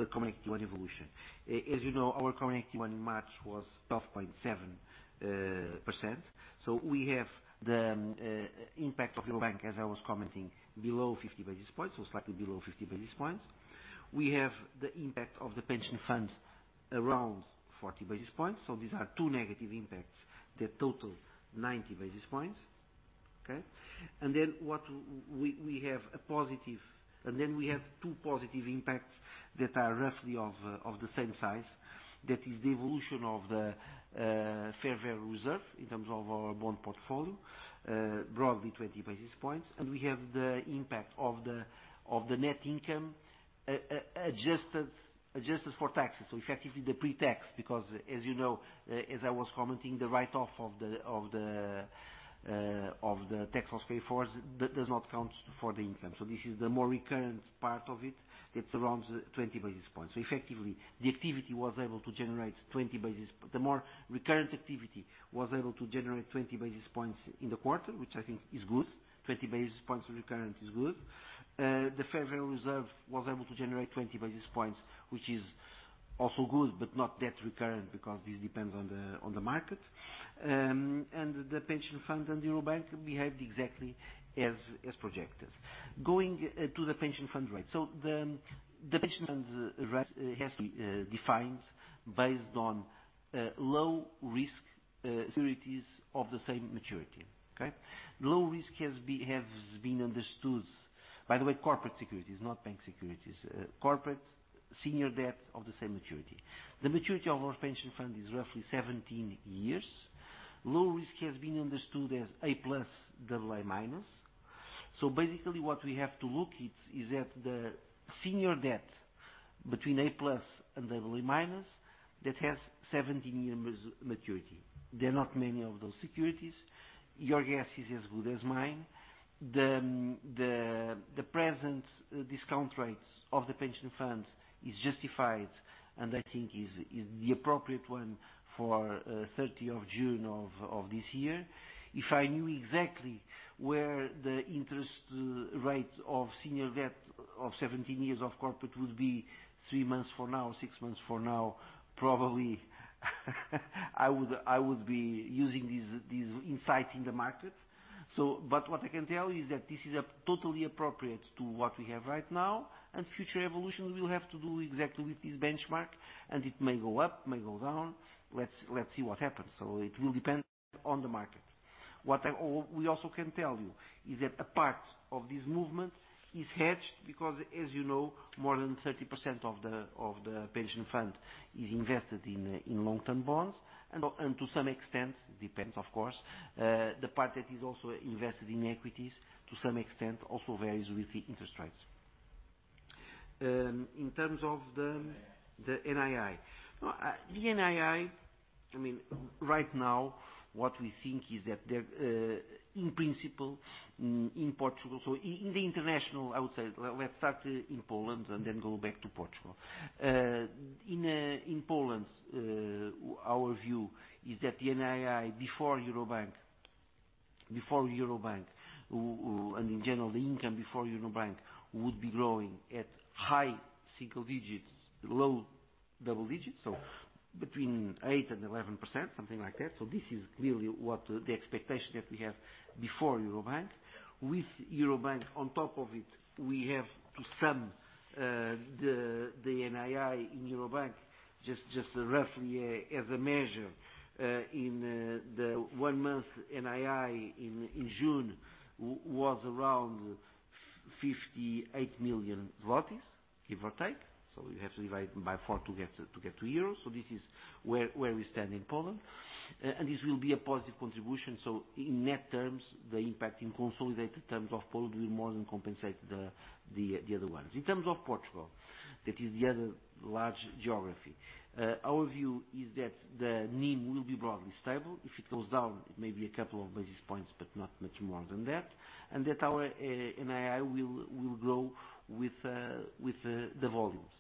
Common Equity 1 evolution. As you know, our common equity one in March was 12.7%. We have the impact of Eurobank, as I was commenting, below 50 basis points, so slightly below 50 basis points. We have the impact of the pension fund around 40 basis points. These are two negative impacts that total 90 basis points. Okay. Then we have two positive impacts that are roughly of the same size. That is the evolution of the fair value reserve in terms of our bond portfolio, broadly 20 basis points and we have the impact of the net income adjusted for taxes. Effectively the pre-tax, because as you know, as I was commenting, the write-off of the tax was paid for does not count for the income. This is the more recurrent part of it that's around 20 basis points. Effectively, the more recurrent activity was able to generate 20 basis points in the quarter, which I think is good. 20 basis points recurrent is good. The fair value reserve was able to generate 20 basis points, which is also good, but not that recurrent because this depends on the market. The pension funds and Eurobank behaved exactly as projected. Going to the pension fund rate. The pension fund rate has to be defined based on low risk securities of the same maturity. Okay? Low risk has been understood, by the way, corporate securities, not bank securities, corporate senior debt of the same maturity. The maturity of our pension fund is roughly 17 years. Low risk has been understood as A, AA-. Basically what we have to look at is at the senior debt between A+ and double AA- that has 17-year maturity. There are not many of those securities. Your guess is as good as mine. The present discount rates of the pension fund is justified, and I think is the appropriate one for 30th of June of this year. If I knew exactly where the interest rate of senior debt of 17 years of corporate would be three months from now, six months from now, probably I would be using this insight in the market. What I can tell you is that this is totally appropriate to what we have right now, and future evolution will have to do exactly with this benchmark, and it may go up, may go down. Let's see what happens. It will depend on the market. What we also can tell you is that a part of this movement is hedged because, as you know, more than 30% of the pension fund is invested in long-term bonds, and to some extent, depends, of course, the part that is also invested in equities, to some extent, also varies with the interest rates. In terms of the NII. The NII, right now, what we think is that in principle, in Portugal, so in the international, I would say, let's start in Poland and then go back to Portugal. In Poland, our view is that the NII before Eurobank, and in general, the income before Eurobank would be growing at high single digits, low double digits, so between 8%-11%, something like that. This is really what the expectation that we have before Eurobank. With Eurobank on top of it, we have to sum the NII in Eurobank, just roughly as a measure, in the one month NII in June was around 58 million, give or take. You have to divide by 4 to get to euros, so this is where we stand in Poland. This will be a positive contribution. In net terms, the impact in consolidated terms of Poland will more than compensate the other ones. In terms of Portugal, that is the other large geography. Our view is that the NIM will be broadly stable. If it goes down, it may be a couple of basis points, but not much more than that, and that our NII will grow with the volumes.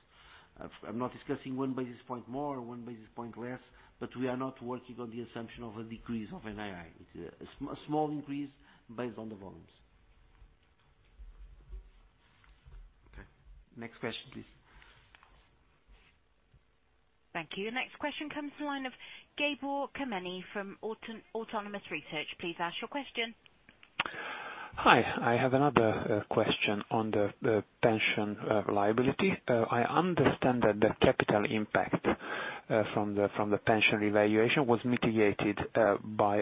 I am not discussing 1 basis point more or 1 basis point less, but we are not working on the assumption of a decrease of NII. It is a small increase based on the volumes. Okay, next question, please. Thank you. The next question comes to the line of Gabor Kemeny from Autonomous Research. Please ask your question. Hi. I have another question on the pension liability. I understand that the capital impact from the pension revaluation was mitigated by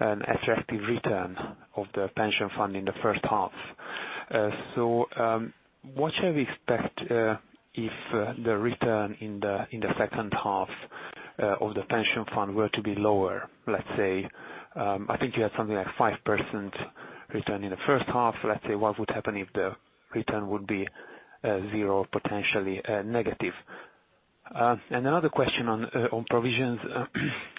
an attractive return of the pension fund in the first half. What should we expect if the return in the second half of the pension fund were to be lower? Let's say, I think you had something like 5% return in the first half. Let's say, what would happen if the return would be zero, potentially negative? Another question on provisions.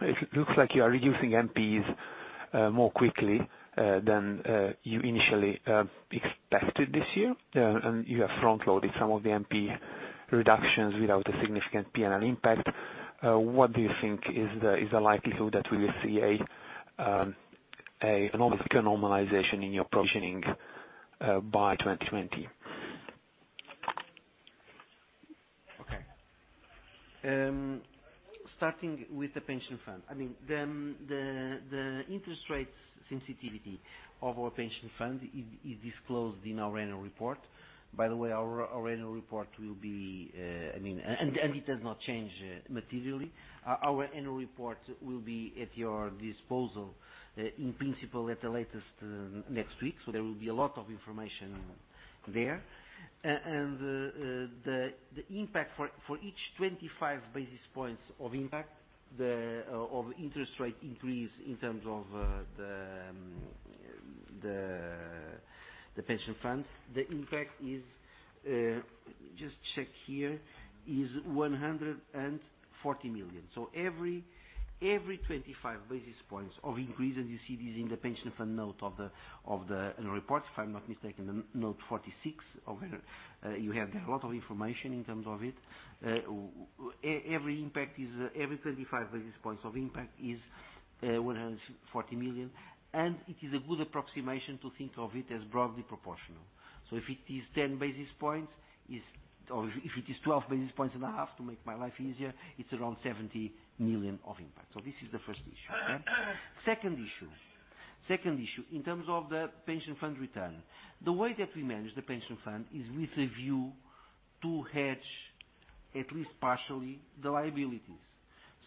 It looks like you are reducing NPEs more quickly than you initially expected this year, and you have front-loaded some of the NPE reductions without a significant P&L impact. What do you think is the likelihood that we will see a normalization in your provisioning by 2020? Starting with the pension fund. The interest rates sensitivity of our pension fund is disclosed in our annual report. By the way, it does not change materially. Our annual report will be at your disposal, in principle, at the latest next week. There will be a lot of information there. The impact for each 25 basis points of impact of interest rate increase in terms of the pension fund, the impact is, just check here, is 140 million. Every 25 basis points of increase, you see this in the pension fund note of the annual report, if I'm not mistaken, note 46. You have a lot of information in terms of it. Every 25 basis points of impact is 140 million. It is a good approximation to think of it as broadly proportional. If it is 10 basis points, or if it is 12 basis points and a half to make my life easier, it's around 70 million of impact. This is the first issue. Second issue. In terms of the pension fund return, the way that we manage the pension fund is with a view to hedge, at least partially, the liabilities.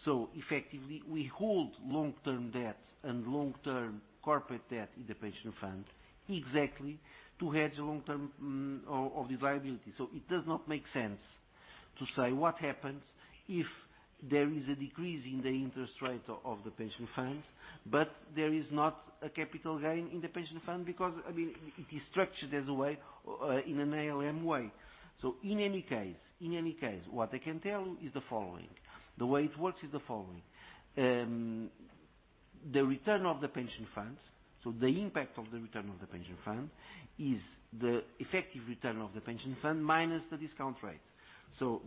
Effectively, we hold long-term debt and long-term corporate debt in the pension fund, exactly to hedge the long-term of these liabilities. It does not make sense to say what happens if there is a decrease in the interest rate of the pension funds, but there is not a capital gain in the pension fund, because it is structured as a way, in an ALM way. In any case, what I can tell you is the following. The way it works is the following. The return of the pension funds, so the impact of the return of the pension fund, is the effective return of the pension fund minus the discount rate.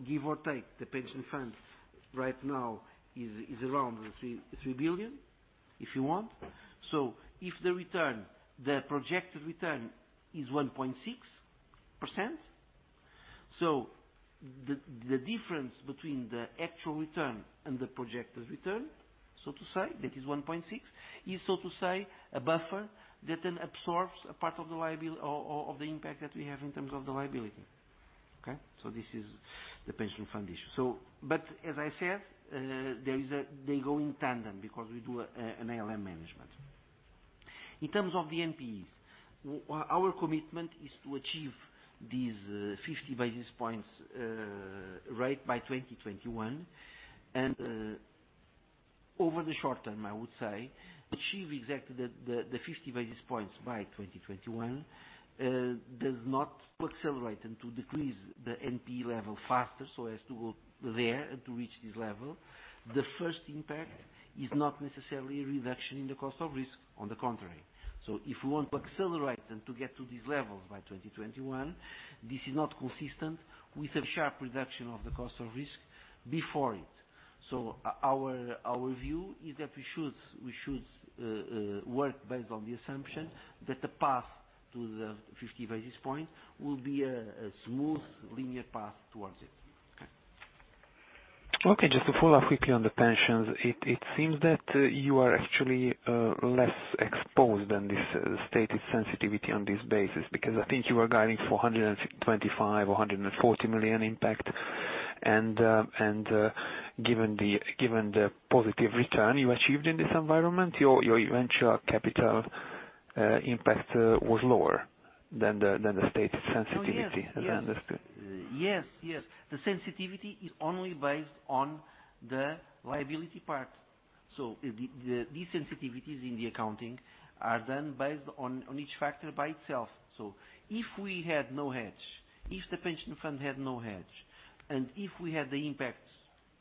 Give or take, the pension fund right now is around 3 billion, if you want. If the return, the projected return is 1.6%, the difference between the actual return and the projected return, so to say, that is 1.6%, is so to say, a buffer that then absorbs a part of the impact that we have in terms of the liability. Okay? This is the pension fund issue. As I said, they go in tandem because we do an ALM management. In terms of the NPEs, our commitment is to achieve this 50 basis points rate by 2021. Over the short term, I would say, achieve exactly the 50 basis points by 2021, does not accelerate and to decrease the NPE level faster, so as to go there and to reach this level. The first impact is not necessarily a reduction in the cost of risk, on the contrary. If we want to accelerate and to get to these levels by 2021, this is not consistent with a sharp reduction of the cost of risk before it. Our view is that we should work based on the assumption that the path to the 50 basis point will be a smooth linear path towards it. Okay. Just to follow up quickly on the pensions, it seems that you are actually less exposed than this stated sensitivity on this basis, because I think you are guiding for 125 million, or 140 million impact. Given the positive return you achieved in this environment, your eventual capital impact was lower than the stated sensitivity. The sensitivity is only based on the liability part. These sensitivities in the accounting are done based on each factor by itself. If we had no hedge, if the pension fund had no hedge, and if we had the impact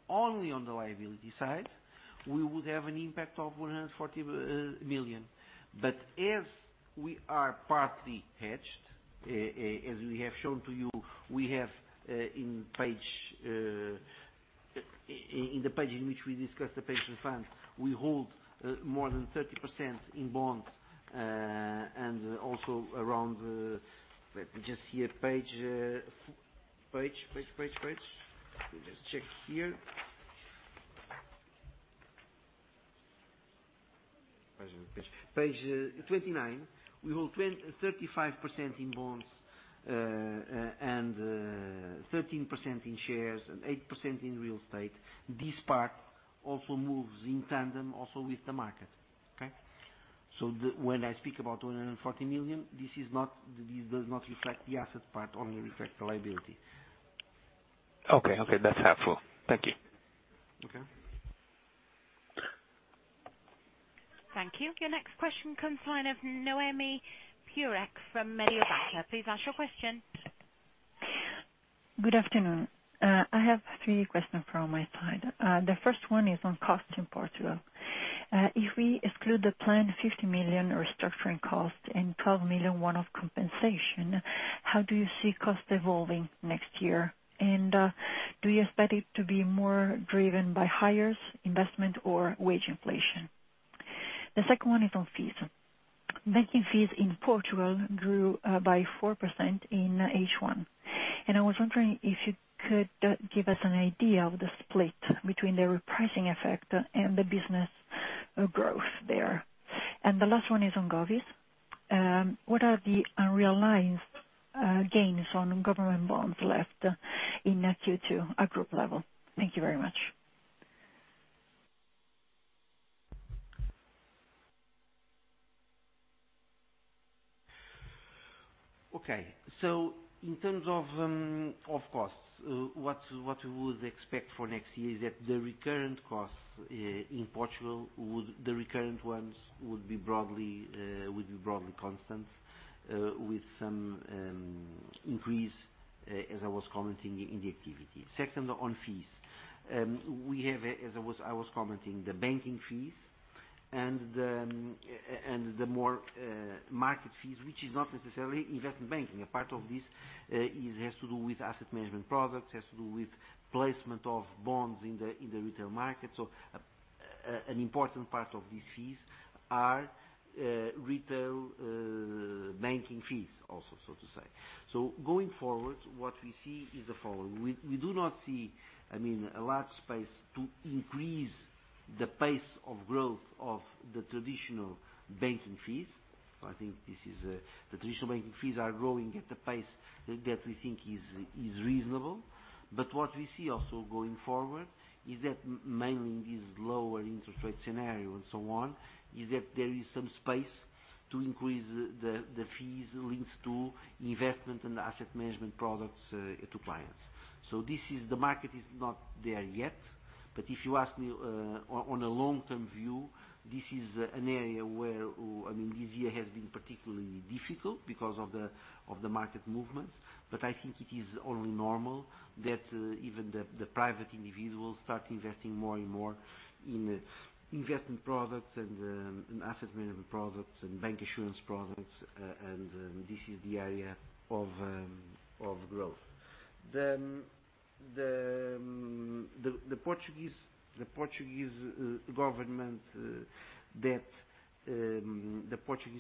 only on the liability side, we would have an impact of 140 million. As we are partly hedged, as we have shown to you, in the page in which we discuss the pension fund, we hold more than 30% in bonds, and also around. Page 29. We hold 35% in bonds, and 13% in shares, and 8% in real estate. This part also moves in tandem with the market. Okay? When I speak about 240 million, this does not reflect the asset part, only reflects the liability. Okay. That's helpful. Thank you. Okay. Thank you. Your next question comes from the line of Noemi Peruch from Mediobanca. Please ask your question. Good afternoon. I have three questions from my side. The first one is on cost in Portugal. If we exclude the planned 50 million restructuring cost and 12 million one-off compensation, how do you see cost evolving next year? Do you expect it to be more driven by hires, investment, or wage inflation? The second one is on fees. Banking fees in Portugal grew by 4% in H1. I was wondering if you could give us an idea of the split between the repricing effect and the business growth there. The last one is on govies. What are the unrealized gains on government bonds left in Q2 at group level? Thank you very much. Okay. In terms of costs, what we would expect for next year is that the recurrent costs in Portugal, the recurrent ones would be broadly constant with some increase, as I was commenting, in the activity. Second, on fees. We have, as I was commenting, the banking fees and the more market fees, which is not necessarily investment banking. A part of this has to do with asset management products, has to do with placement of bonds in the retail market. An important part of these fees are retail banking fees also, so to say. Going forward, what we see is the following. We do not see a large space to increase the pace of growth of the traditional banking fees. I think the traditional banking fees are growing at a pace that we think is reasonable. What we see also going forward is that mainly in this lower interest rate scenario, there is some space to increase the fees linked to investment and asset management products to clients. The market is not there yet. If you ask me on a long-term view, this is an area where, this year has been particularly difficult because of the market movements. I think it is only normal that even the private individuals start investing more and more in investment products and asset management products and bank insurance products. This is the area of growth. The Portuguese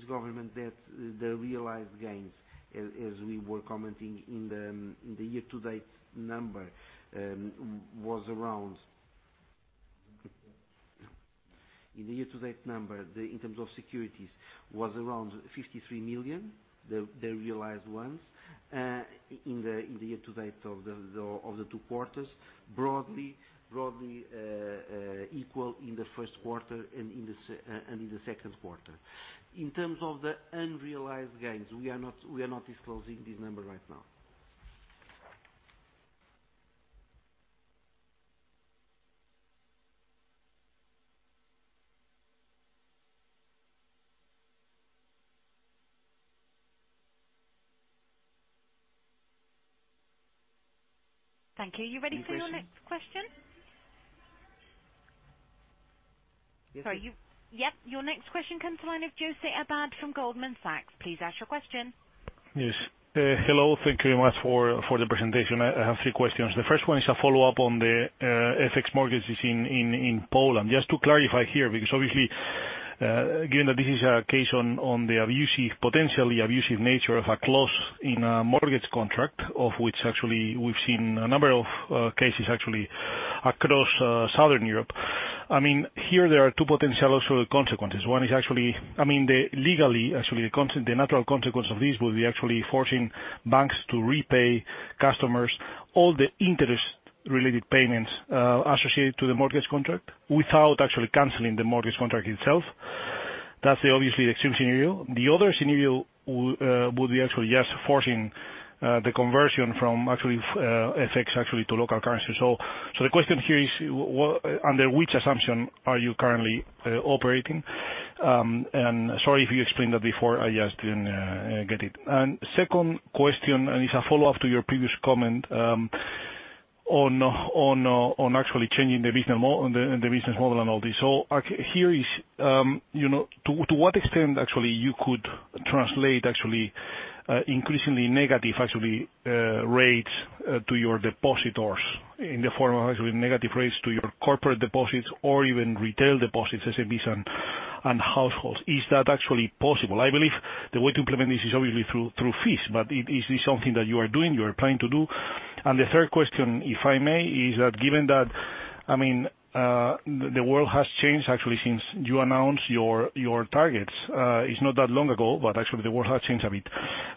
government debt, the realized gains, as we were commenting in the year-to-date number, in terms of securities, was around 53 million. The realized ones, in the year-to-date of the two quarters. Broadly equal in the first quarter and in the second quarter. In terms of the unrealized gains, we are not disclosing this number right now. Thank you. Are you ready for your next question? Yes, please. Sorry. Yep. Your next question comes from the line of José Abad from Goldman Sachs. Please ask your question. Yes. Hello. Thank you very much for the presentation. I have three questions. The first one is a follow-up on the FX mortgages in Poland. To clarify here, because obviously, given that this is a case on the potentially abusive nature of a clause in a mortgage contract, of which actually we've seen a number of cases actually across Southern Europe. Here, there are two potential consequences. One is actually, legally, the natural consequence of this will be actually forcing banks to repay customers all the interest-related payments, associated to the mortgage contract without actually canceling the mortgage contract itself. That's obviously the extreme scenario. The other scenario would be actually, yes, forcing the conversion from FX actually to local currency. The question here is, under which assumption are you currently operating? Sorry if you explained that before, I just didn't get it. Second question, and it's a follow-up to your previous comment, on actually changing the business model and all this. Here is, to what extent actually you could translate increasingly negative rates to your depositors in the form of actually negative rates to your corporate deposits or even retail deposits, SMBs and households. Is that actually possible? I believe the way to implement this is obviously through fees, but is this something that you are doing, you are planning to do? The third question, if I may, is that given that the world has changed actually since you announced your targets. It's not that long ago, but actually, the world has changed a bit.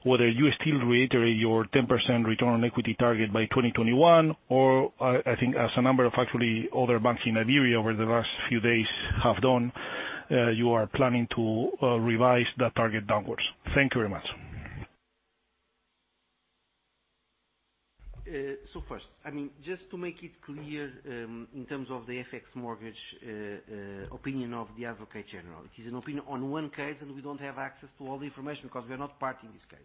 Whether you still reiterate your 10% return on equity target by 2021, or, I think as a number of actually other banks in Iberia over the last few days have done, you are planning to revise that target downwards. Thank you very much. First, just to make it clear, in terms of the FX mortgage opinion of the Advocate General. It is an opinion on one case, and we don't have access to all the information because we are not part in this case.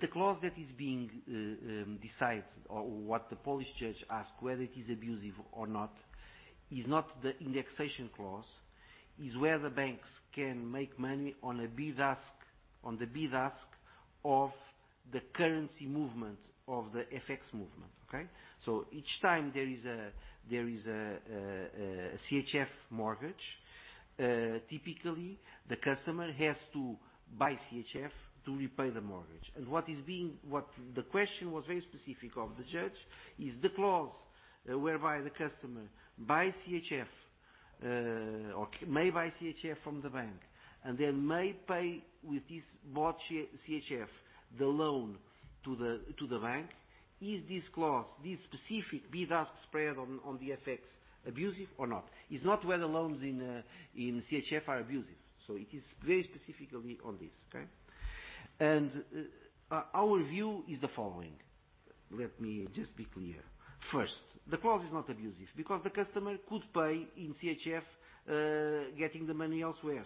The clause that is being decided or what the Polish judge asked, whether it is abusive or not, is not the indexation clause, is where the banks can make money on the bid-ask of the currency movement of the FX movement. Okay? Each time there is a CHF mortgage, typically, the customer has to buy CHF to repay the mortgage. The question was very specific of the judge, is the clause whereby the customer buy CHF, or may buy CHF from the bank, and then may pay with this bought CHF, the loan to the bank, is this clause, this specific bid-ask spread on the FX abusive or not? It is not whether loans in CHF are abusive. It is very specifically on this, okay? Our view is the following. Let me just be clear. First, the clause is not abusive because the customer could pay in CHF, getting the money elsewhere.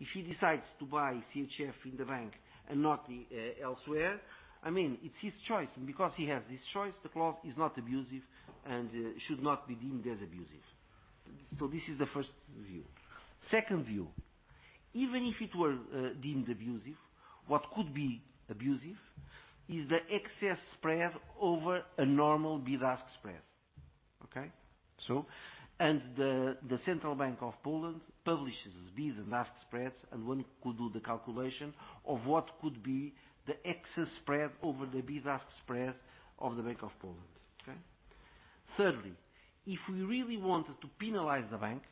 If he decides to buy CHF in the bank and not elsewhere, it is his choice because he has this choice, the clause is not abusive and should not be deemed as abusive. This is the first view. Second view, even if it were deemed abusive, what could be abusive is the excess spread over a normal bid-ask spread. Thirdly, the Central Bank of Poland publishes bid and ask spreads, and one could do the calculation of what could be the excess spread over the bid-ask spread of the Central Bank of Poland. Thirdly, if we really wanted to penalize the bank,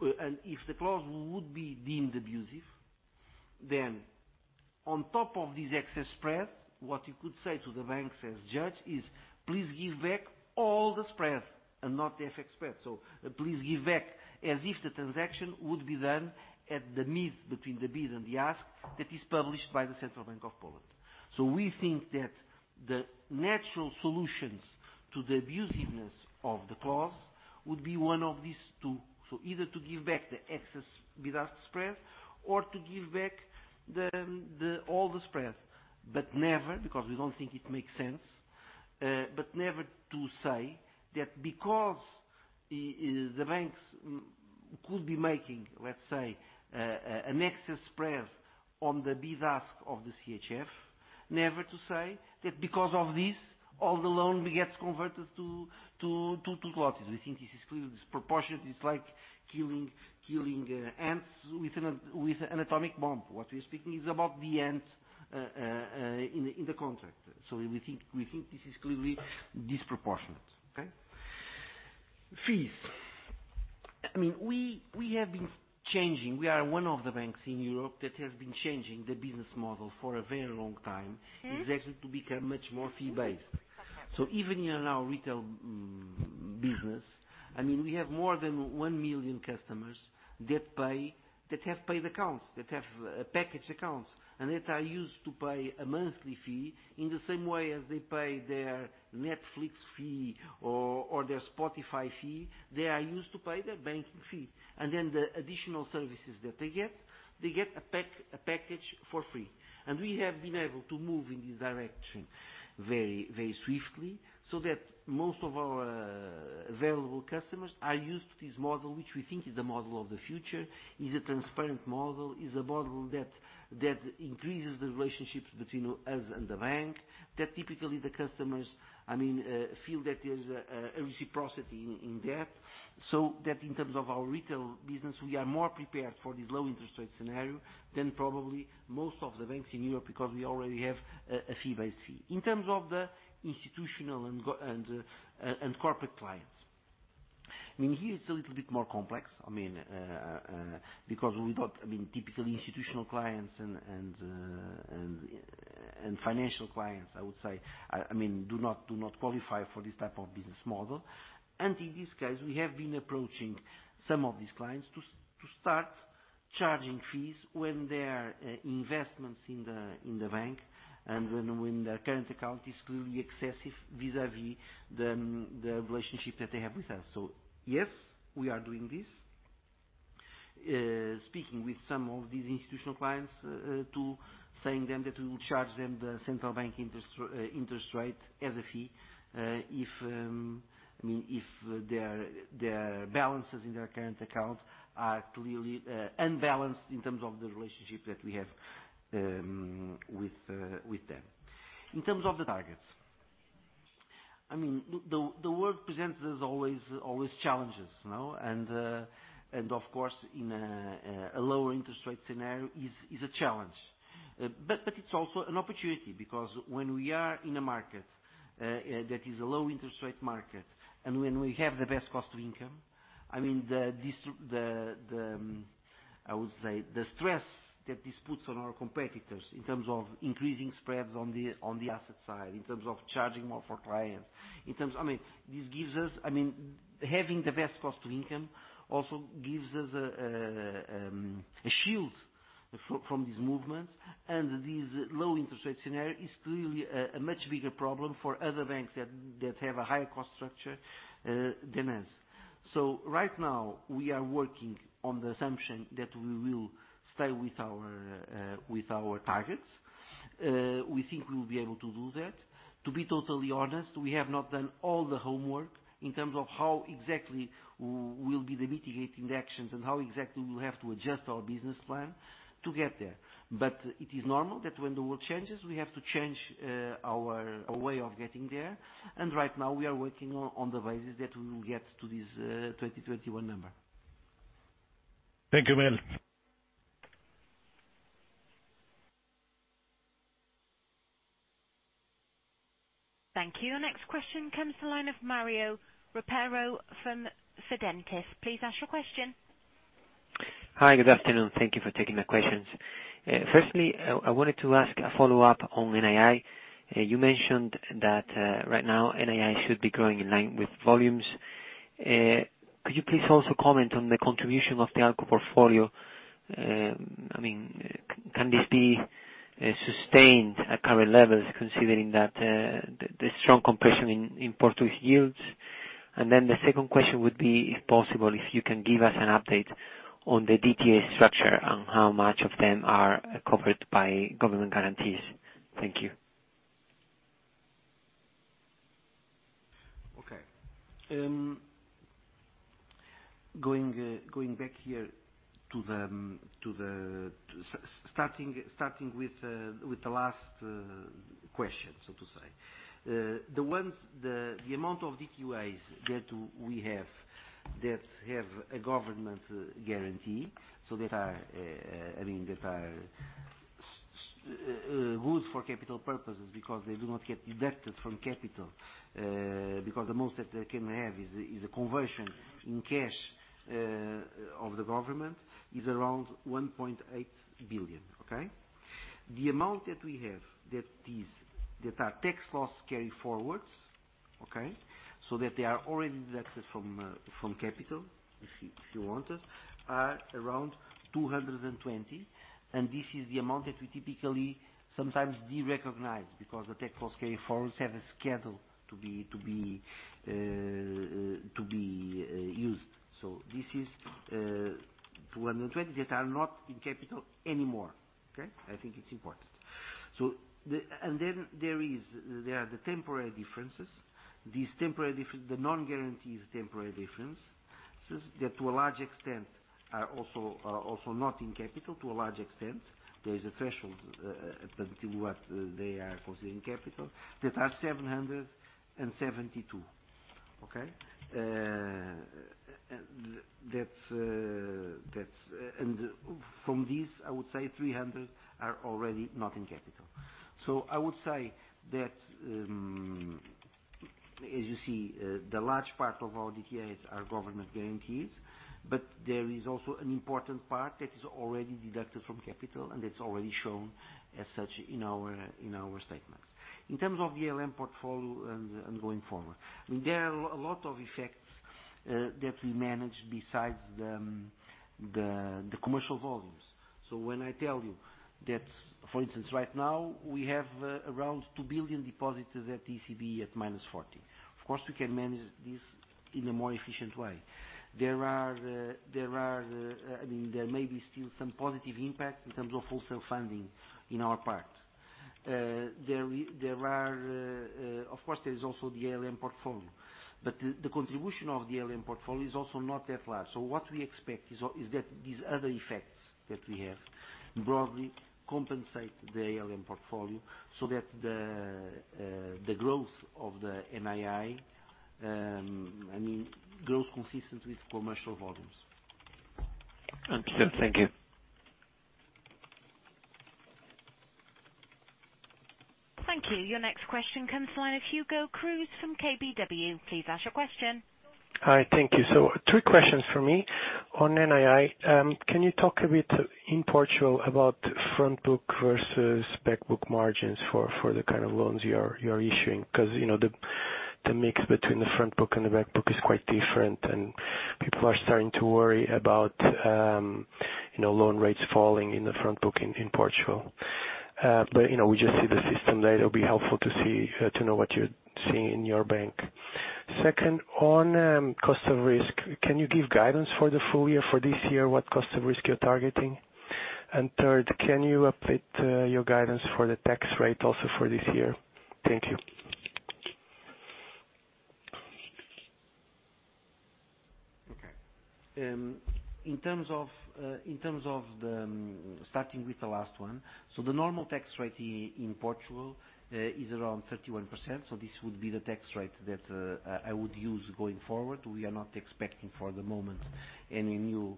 and if the clause would be deemed abusive, then on top of this excess spread, what you could say to the banks as judge is, "Please give back all the spread and not the FX spread." Please give back as if the transaction would be done at the mid between the bid and the ask that is published by the Central Bank of Poland. We think that the natural solutions to the abusiveness of the clause would be one of these two. Either to give back the excess bid-ask spread or to give back all the spread. Never, because we don't think it makes sense, but never to say that because the banks could be making, let's say, an excess spread on the bid-ask of the CHF, never to say that because of this, all the loan gets converted to złoty. We think this is clearly disproportionate. It's like killing ants with an atomic bomb. What we're speaking is about the ant, in the contract. We think this is clearly disproportionate. Okay. Fees. We have been changing. We are one of the banks in Europe that has been changing the business model for a very long time. Okay. Exactly to become much more fee-based. Even in our retail business, we have more than 1 million customers that have paid accounts, that have package accounts, and that are used to pay a monthly fee in the same way as they pay their Netflix fee or their Spotify fee. They are used to pay their banking fee. Then the additional services that they get, they get a package for free. We have been able to move in this direction very swiftly, so that most of our valuable customers are used to this model, which we think is the model of the future, is a transparent model, is a model that increases the relationships between us and the bank. That typically the customers feel that there is a reciprocity in that. That in terms of our retail business, we are more prepared for this low interest rate scenario than probably most of the banks in Europe, because we already have a fee-based fee. In terms of the institutional and corporate clients, and here it's a little bit more complex, because we thought, typically institutional clients and financial clients, I would say, do not qualify for this type of business model. In this case, we have been approaching some of these clients to start charging fees when their investments in the bank and when their current account is clearly excessive vis-a-vis the relationship that they have with us. Yes, we are doing this, speaking with some of these institutional clients to saying them that we will charge them the central bank interest rate as a fee, if their balances in their current account are clearly unbalanced in terms of the relationship that we have with them. In terms of the targets. The world presents us always challenges now and of course, in a lower interest rate scenario is a challenge but it's also an opportunity because when we are in a market that is a low interest rate market, and when we have the best cost to income, I would say the stress that this puts on our competitors in terms of increasing spreads on the asset side, in terms of charging more for clients. Having the best cost to income also gives us a shield from these movements and this low interest rate scenario is clearly a much bigger problem for other banks that have a higher cost structure than us. Right now, we are working on the assumption that we will stay with our targets. We think we will be able to do that. To be totally honest, we have not done all the homework in terms of how exactly will be the mitigating actions and how exactly we will have to adjust our business plan to get there. It is normal that when the world changes, we have to change our way of getting there and right now we are working on the basis that we will get to this 2021 number. Thank you, Miguel. Thank you. Next question comes the line of Mario Ropero from Fidentiis. Please ask your question. Hi. Good afternoon. Thank you for taking my questions. Firstly, I wanted to ask a follow-up on NII. You mentioned that right now NII should be growing in line with volumes. Could you please also comment on the contribution of the ALCO portfolio? Can this be sustained at current levels, considering that the strong compression in Portuguese yields? The second question would be, if possible, if you can give us an update on the DTA structure and how much of them are covered by government guarantees. Thank you. Going back here, starting with the last question, so to say. The amount of DTAs that we have that have a government guarantee, so that are good for capital purposes because they do not get deducted from capital. The most that they can have is a conversion in cash of the government, is around 1.8 billion. The amount that we have that are tax loss carry-forwards, so that they are already deducted from capital, if you wanted, are around 220. This is the amount that we typically sometimes derecognize because the tax loss carry-forwards have a schedule to be used. This is 220 that are not in capital anymore. I think it's important and then there are the temporary differences. The non-guarantee is temporary differences, that to a large extent are also not in capital, to a large extent. There is a threshold as to what they are considered in capital, that are 772. Okay. From these, I would say 300 are already not in capital. I would say that, as you see, the large part of our DTAs are government guarantees, but there is also an important part that is already deducted from capital, and it's already shown as such in our statements. In terms of ALM portfolio and going forward, there are a lot of effects that we manage besides the commercial volumes. When I tell you that, for instance, right now we have around 2 billion deposits at ECB at -40. Of course, we can manage this in a more efficient way. There may be still some positive impact in terms of wholesale funding on our part. Of course, there is also the ALM portfolio, but the contribution of the ALM portfolio is also not that large. What we expect is that these other effects that we have broadly compensate the ALM portfolio so that the growth of the NII grows consistent with commercial volumes. Thank you. Thank you. Thank you. Your next question comes to the line of Hugo Cruz from KBW. Please ask your question. Hi. Thank you. Three questions from me. On NII, can you talk a bit, in Portugal, about front-book versus back-book margins for the kind of loans you're issuing? The mix between the front book and the back book is quite different, and people are starting to worry about loan rates falling in the front book in Portugal. We just see the system there. It will be helpful to know what you're seeing in your bank. Second, on cost of risk, can you give guidance for the full year, for this year, what cost of risk you're targeting? Third, can you update your guidance for the tax rate also for this year? Thank you. Okay. In terms of starting with the last one. The normal tax rate in Portugal is around 31%, this would be the tax rate that I would use going forward. We are not expecting, for the moment, any new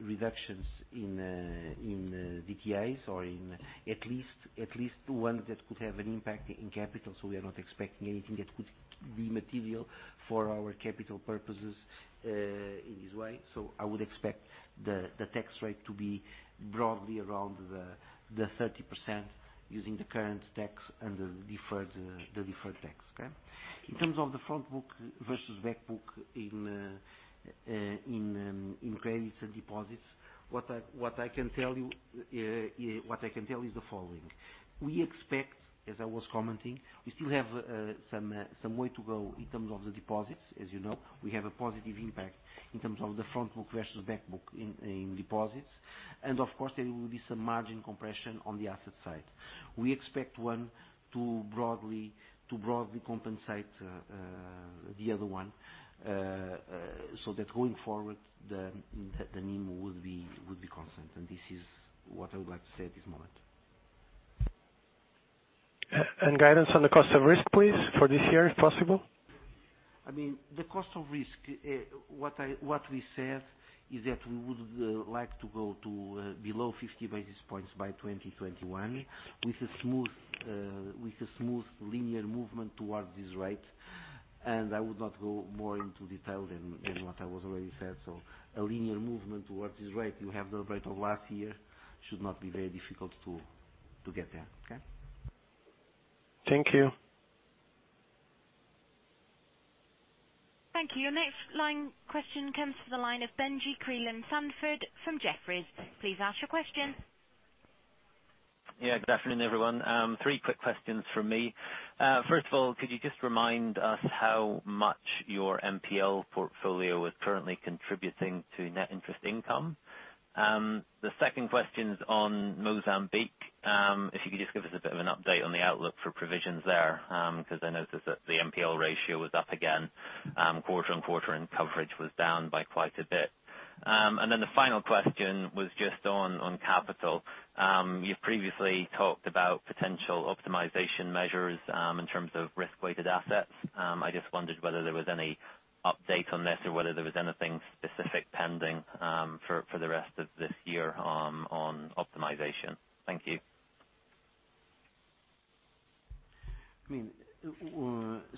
reductions in DTAs or at least one that could have an impact in capital. We are not expecting anything that could be material for our capital purposes in this way. I would expect the tax rate to be broadly around the 30% using the current tax and the deferred tax. Okay? In terms of the front book versus back book in credits and deposits, what I can tell you is the following. We expect, as I was commenting, we still have some way to go in terms of the deposits. As you know, we have a positive impact in terms of the front book versus back book in deposits. Of course, there will be some margin compression on the asset side. We expect one to broadly compensate the other one so that going forward, the NIM will be constant. This is what I would like to say at this moment. Guidance on the cost of risk, please, for this year, if possible? The cost of risk, what we said is that we would like to go to below 50 basis points by 2021 with a smooth linear movement towards this rate. I would not go more into detail than what I already said. A linear movement towards this rate, you have the rate of last year, should not be very difficult to get there. Okay? Thank you. Thank you. Your next line question comes to the line of Benjie Creelan-Sandford from Jefferies. Please ask your question. Yeah, good afternoon, everyone. Three quick questions from me. First of all, could you just remind us how much your NPL portfolio is currently contributing to net interest income? The second question is on Mozambique. If you could just give us a bit of an update on the outlook for provisions there, because I noticed that the NPL ratio was up again quarter-on-quarter, and coverage was down by quite a bit. The final question was just on capital. You've previously talked about potential optimization measures in terms of risk-weighted assets. I just wondered whether there was any update on this or whether there was anything specific pending for the rest of this year on optimization. Thank you.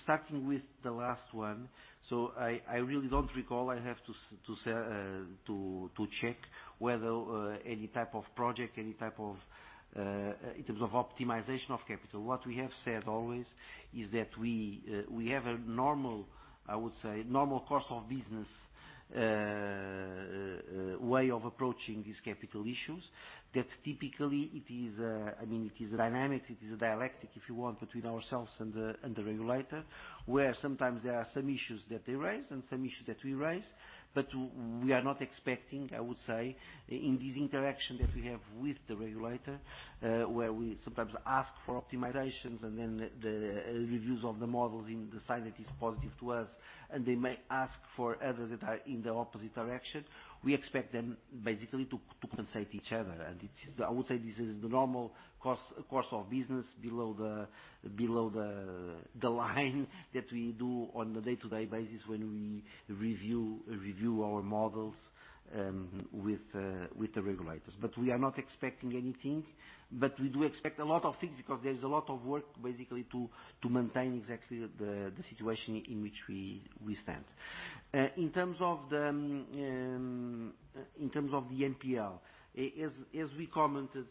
Starting with the last one, so I really don't recall. I have to check whether any type of project, any type of, in terms of optimization of capital. What we have said always is that we have a normal course of business way of approaching these capital issues, that typically it is dynamic, it is a dialectic, if you want, between ourselves and the regulator where sometimes there are some issues that they raise and some issues that we raise, but we are not expecting, I would say, in this interaction that we have with the regulator, where we sometimes ask for optimizations and then the reviews of the models in the sign that is positive to us, and they may ask for others that are in the opposite direction. We expect them basically to compensate each other. I would say this is the normal course of business below the line that we do on a day-to-day basis when we review our models with the regulators. We are not expecting anything, but we do expect a lot of things because there is a lot of work basically to maintain exactly the situation in which we stand. In terms of the NPL, as we commented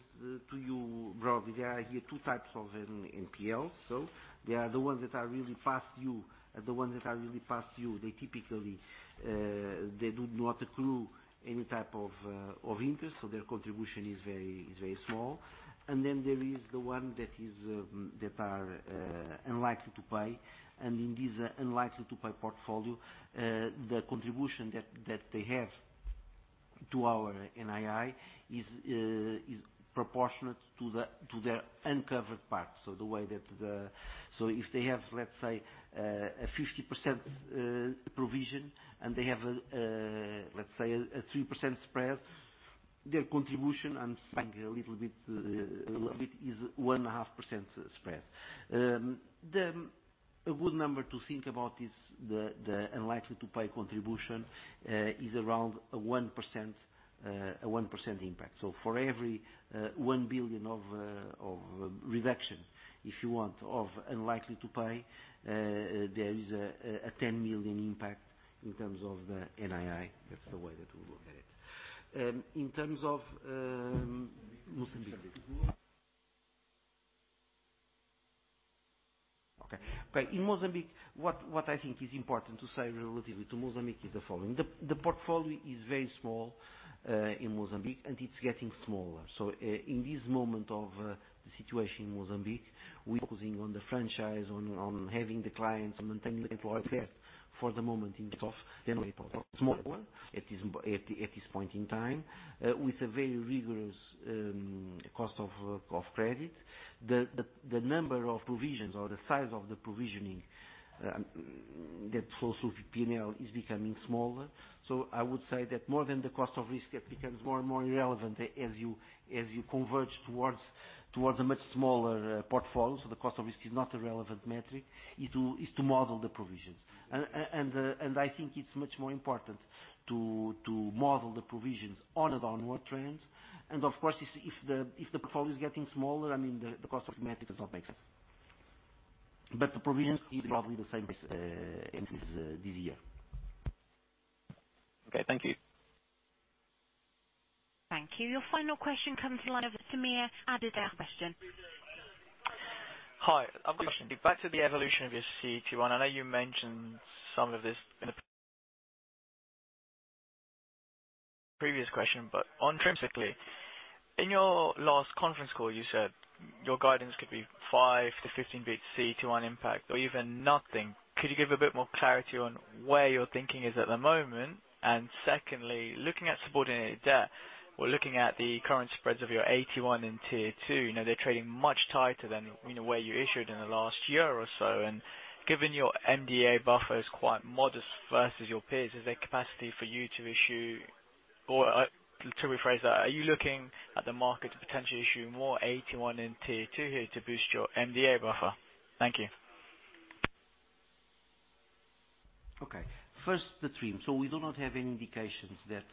to you broadly, there are two types of NPLs. There are the ones that are really past due. The ones that are really past due, they typically do not accrue any type of interest, so their contribution is very small. Then there is the one that are unlikely to pay. In this unlikely-to-pay portfolio, the contribution that they have to our NII is proportionate to their uncovered part. If they have, let's say, a 50% provision and they have, let's say, a 3% spread, their contribution, and think a little bit, is 1.5% spread. A good number to think about is the unlikely-to-pay contribution is around a 1% impact. For every 1 billion of reduction, if you want, of unlikely to pay, there is a 10 million impact in terms of the NII. That's the way that we look at it. In terms of Mozambique. Okay. In Mozambique, what I think is important to say relatively to Mozambique is the following. The portfolio is very small in Mozambique, and it's getting smaller. In this moment of the situation in Mozambique, we're focusing on the franchise, on having the clients, maintaining the employee base for the moment in terms of general small one at this point in time, with a very rigorous cost of credit. The number of provisions or the size of the provisioning that flows through P&L is becoming smaller. I would say that more than the cost of risk, it becomes more and more irrelevant as you converge towards a much smaller portfolio. The cost of risk is not a relevant metric. It is to model the provisions. I think it's much more important to model the provisions on a downward trend. Of course, if the portfolio is getting smaller, the cost of metric does not make sense. The provisions is probably the same as this year. Okay, thank you. Thank you. Your final question comes from Sameer Adider question. Hi. Back to the evolution of your CET1. I know you mentioned some of this in the previous question. Intrinsically, in your last conference call, you said your guidance could be 5-15 CET1 impact or even nothing. Could you give a bit more clarity on where your thinking is at the moment? Secondly, looking at subordinated debt or looking at the current spreads of your AT1 and Tier 2, they're trading much tighter than where you issued in the last year or so. Given your MDA buffer is quite modest versus your peers, is there capacity for you to issue or to rephrase that, are you looking at the market to potentially issue more AT1 and Tier 2 here to boost your MDA buffer? Thank you. Okay. First, the TRIM. We do not have any indications that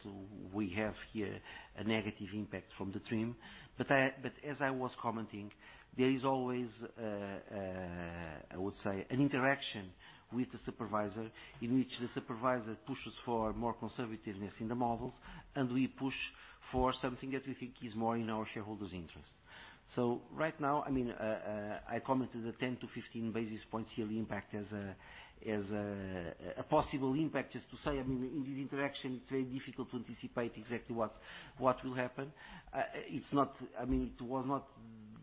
we have here a negative impact from the TRIM. As I was commenting, there is always, I would say, an interaction with the supervisor in which the supervisor pushes for more conservativeness in the models, and we push for something that we think is more in our shareholders' interest. Right now, I commented a 10-15 basis points yearly impact as a possible impact. Just to say, in this interaction, it's very difficult to anticipate exactly what will happen. It was not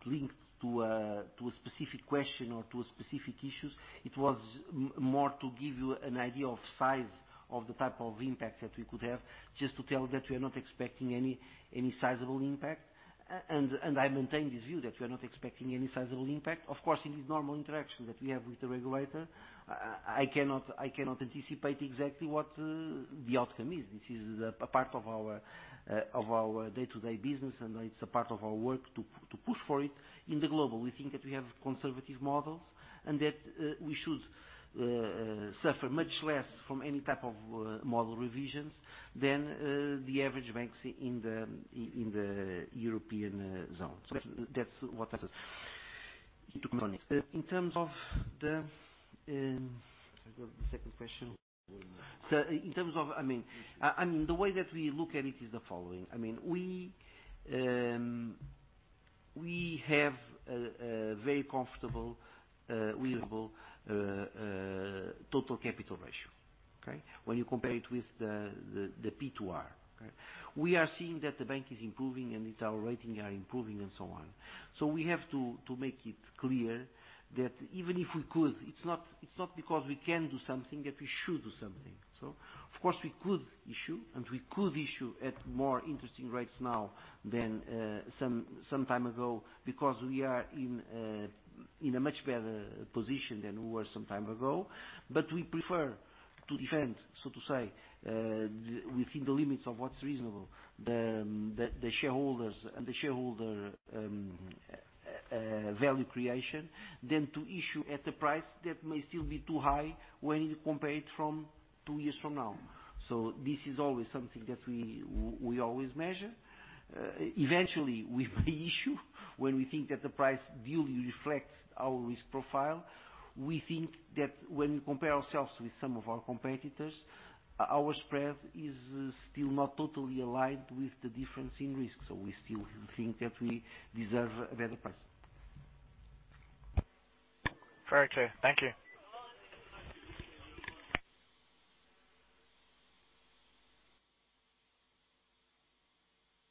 linked to a specific question or to specific issues. It was more to give you an idea of size of the type of impact that we could have, just to tell that we are not expecting any sizable impact. I maintain this view that we are not expecting any sizable impact. Of course, in this normal interaction that we have with the regulator, I cannot anticipate exactly what the outcome is. This is a part of our day-to-day business, and it's a part of our work to push for it. In the global, we think that we have conservative models and that we should suffer much less from any type of model revisions than the average banks in the European zone. That's what happens. To comment on it. In terms of the second question. The way that we look at it is the following. We have a very comfortable, reasonable total capital ratio, okay. When you compare it with the P2R. We are seeing that the bank is improving and its operating are improving and so on. We have to make it clear that even if we could, it's not because we can do something that we should do something. Of course, we could issue, and we could issue at more interesting rates now than some time ago because we are in a much better position than we were some time ago. We prefer to defend, so to say, within the limits of what's reasonable, the shareholders and the shareholder value creation than to issue at a price that may still be too high when you compare it from two years from now. This is always something that we always measure. Eventually, we may issue when we think that the price duly reflects our risk profile. We think that when we compare ourselves with some of our competitors, our spread is still not totally aligned with the difference in risk so we still think that we deserve a better price. Fair too. Thank you.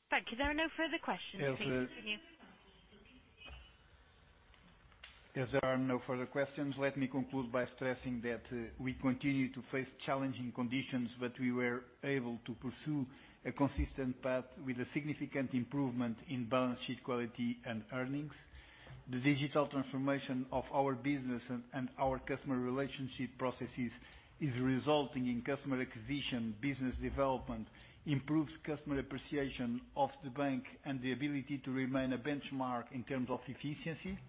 Thank you. There are no further questions. Thank you. As there are no further questions, let me conclude by stressing that we continue to face challenging conditions, but we were able to pursue a consistent path with a significant improvement in balance sheet quality and earnings. The digital transformation of our business and our customer relationship processes is resulting in customer acquisition, business development, improves customer appreciation of the bank, and the ability to remain a benchmark in terms of efficiency.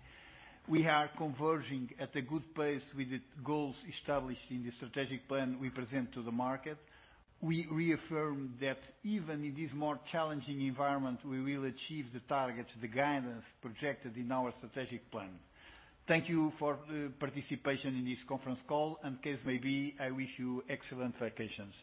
We are converging at a good pace with the goals established in the strategic plan we present to the market. We reaffirm that even in this more challenging environment, we will achieve the targets, the guidance projected in our strategic plan. Thank you for the participation in this conference call, and case may be, I wish you excellent vacations.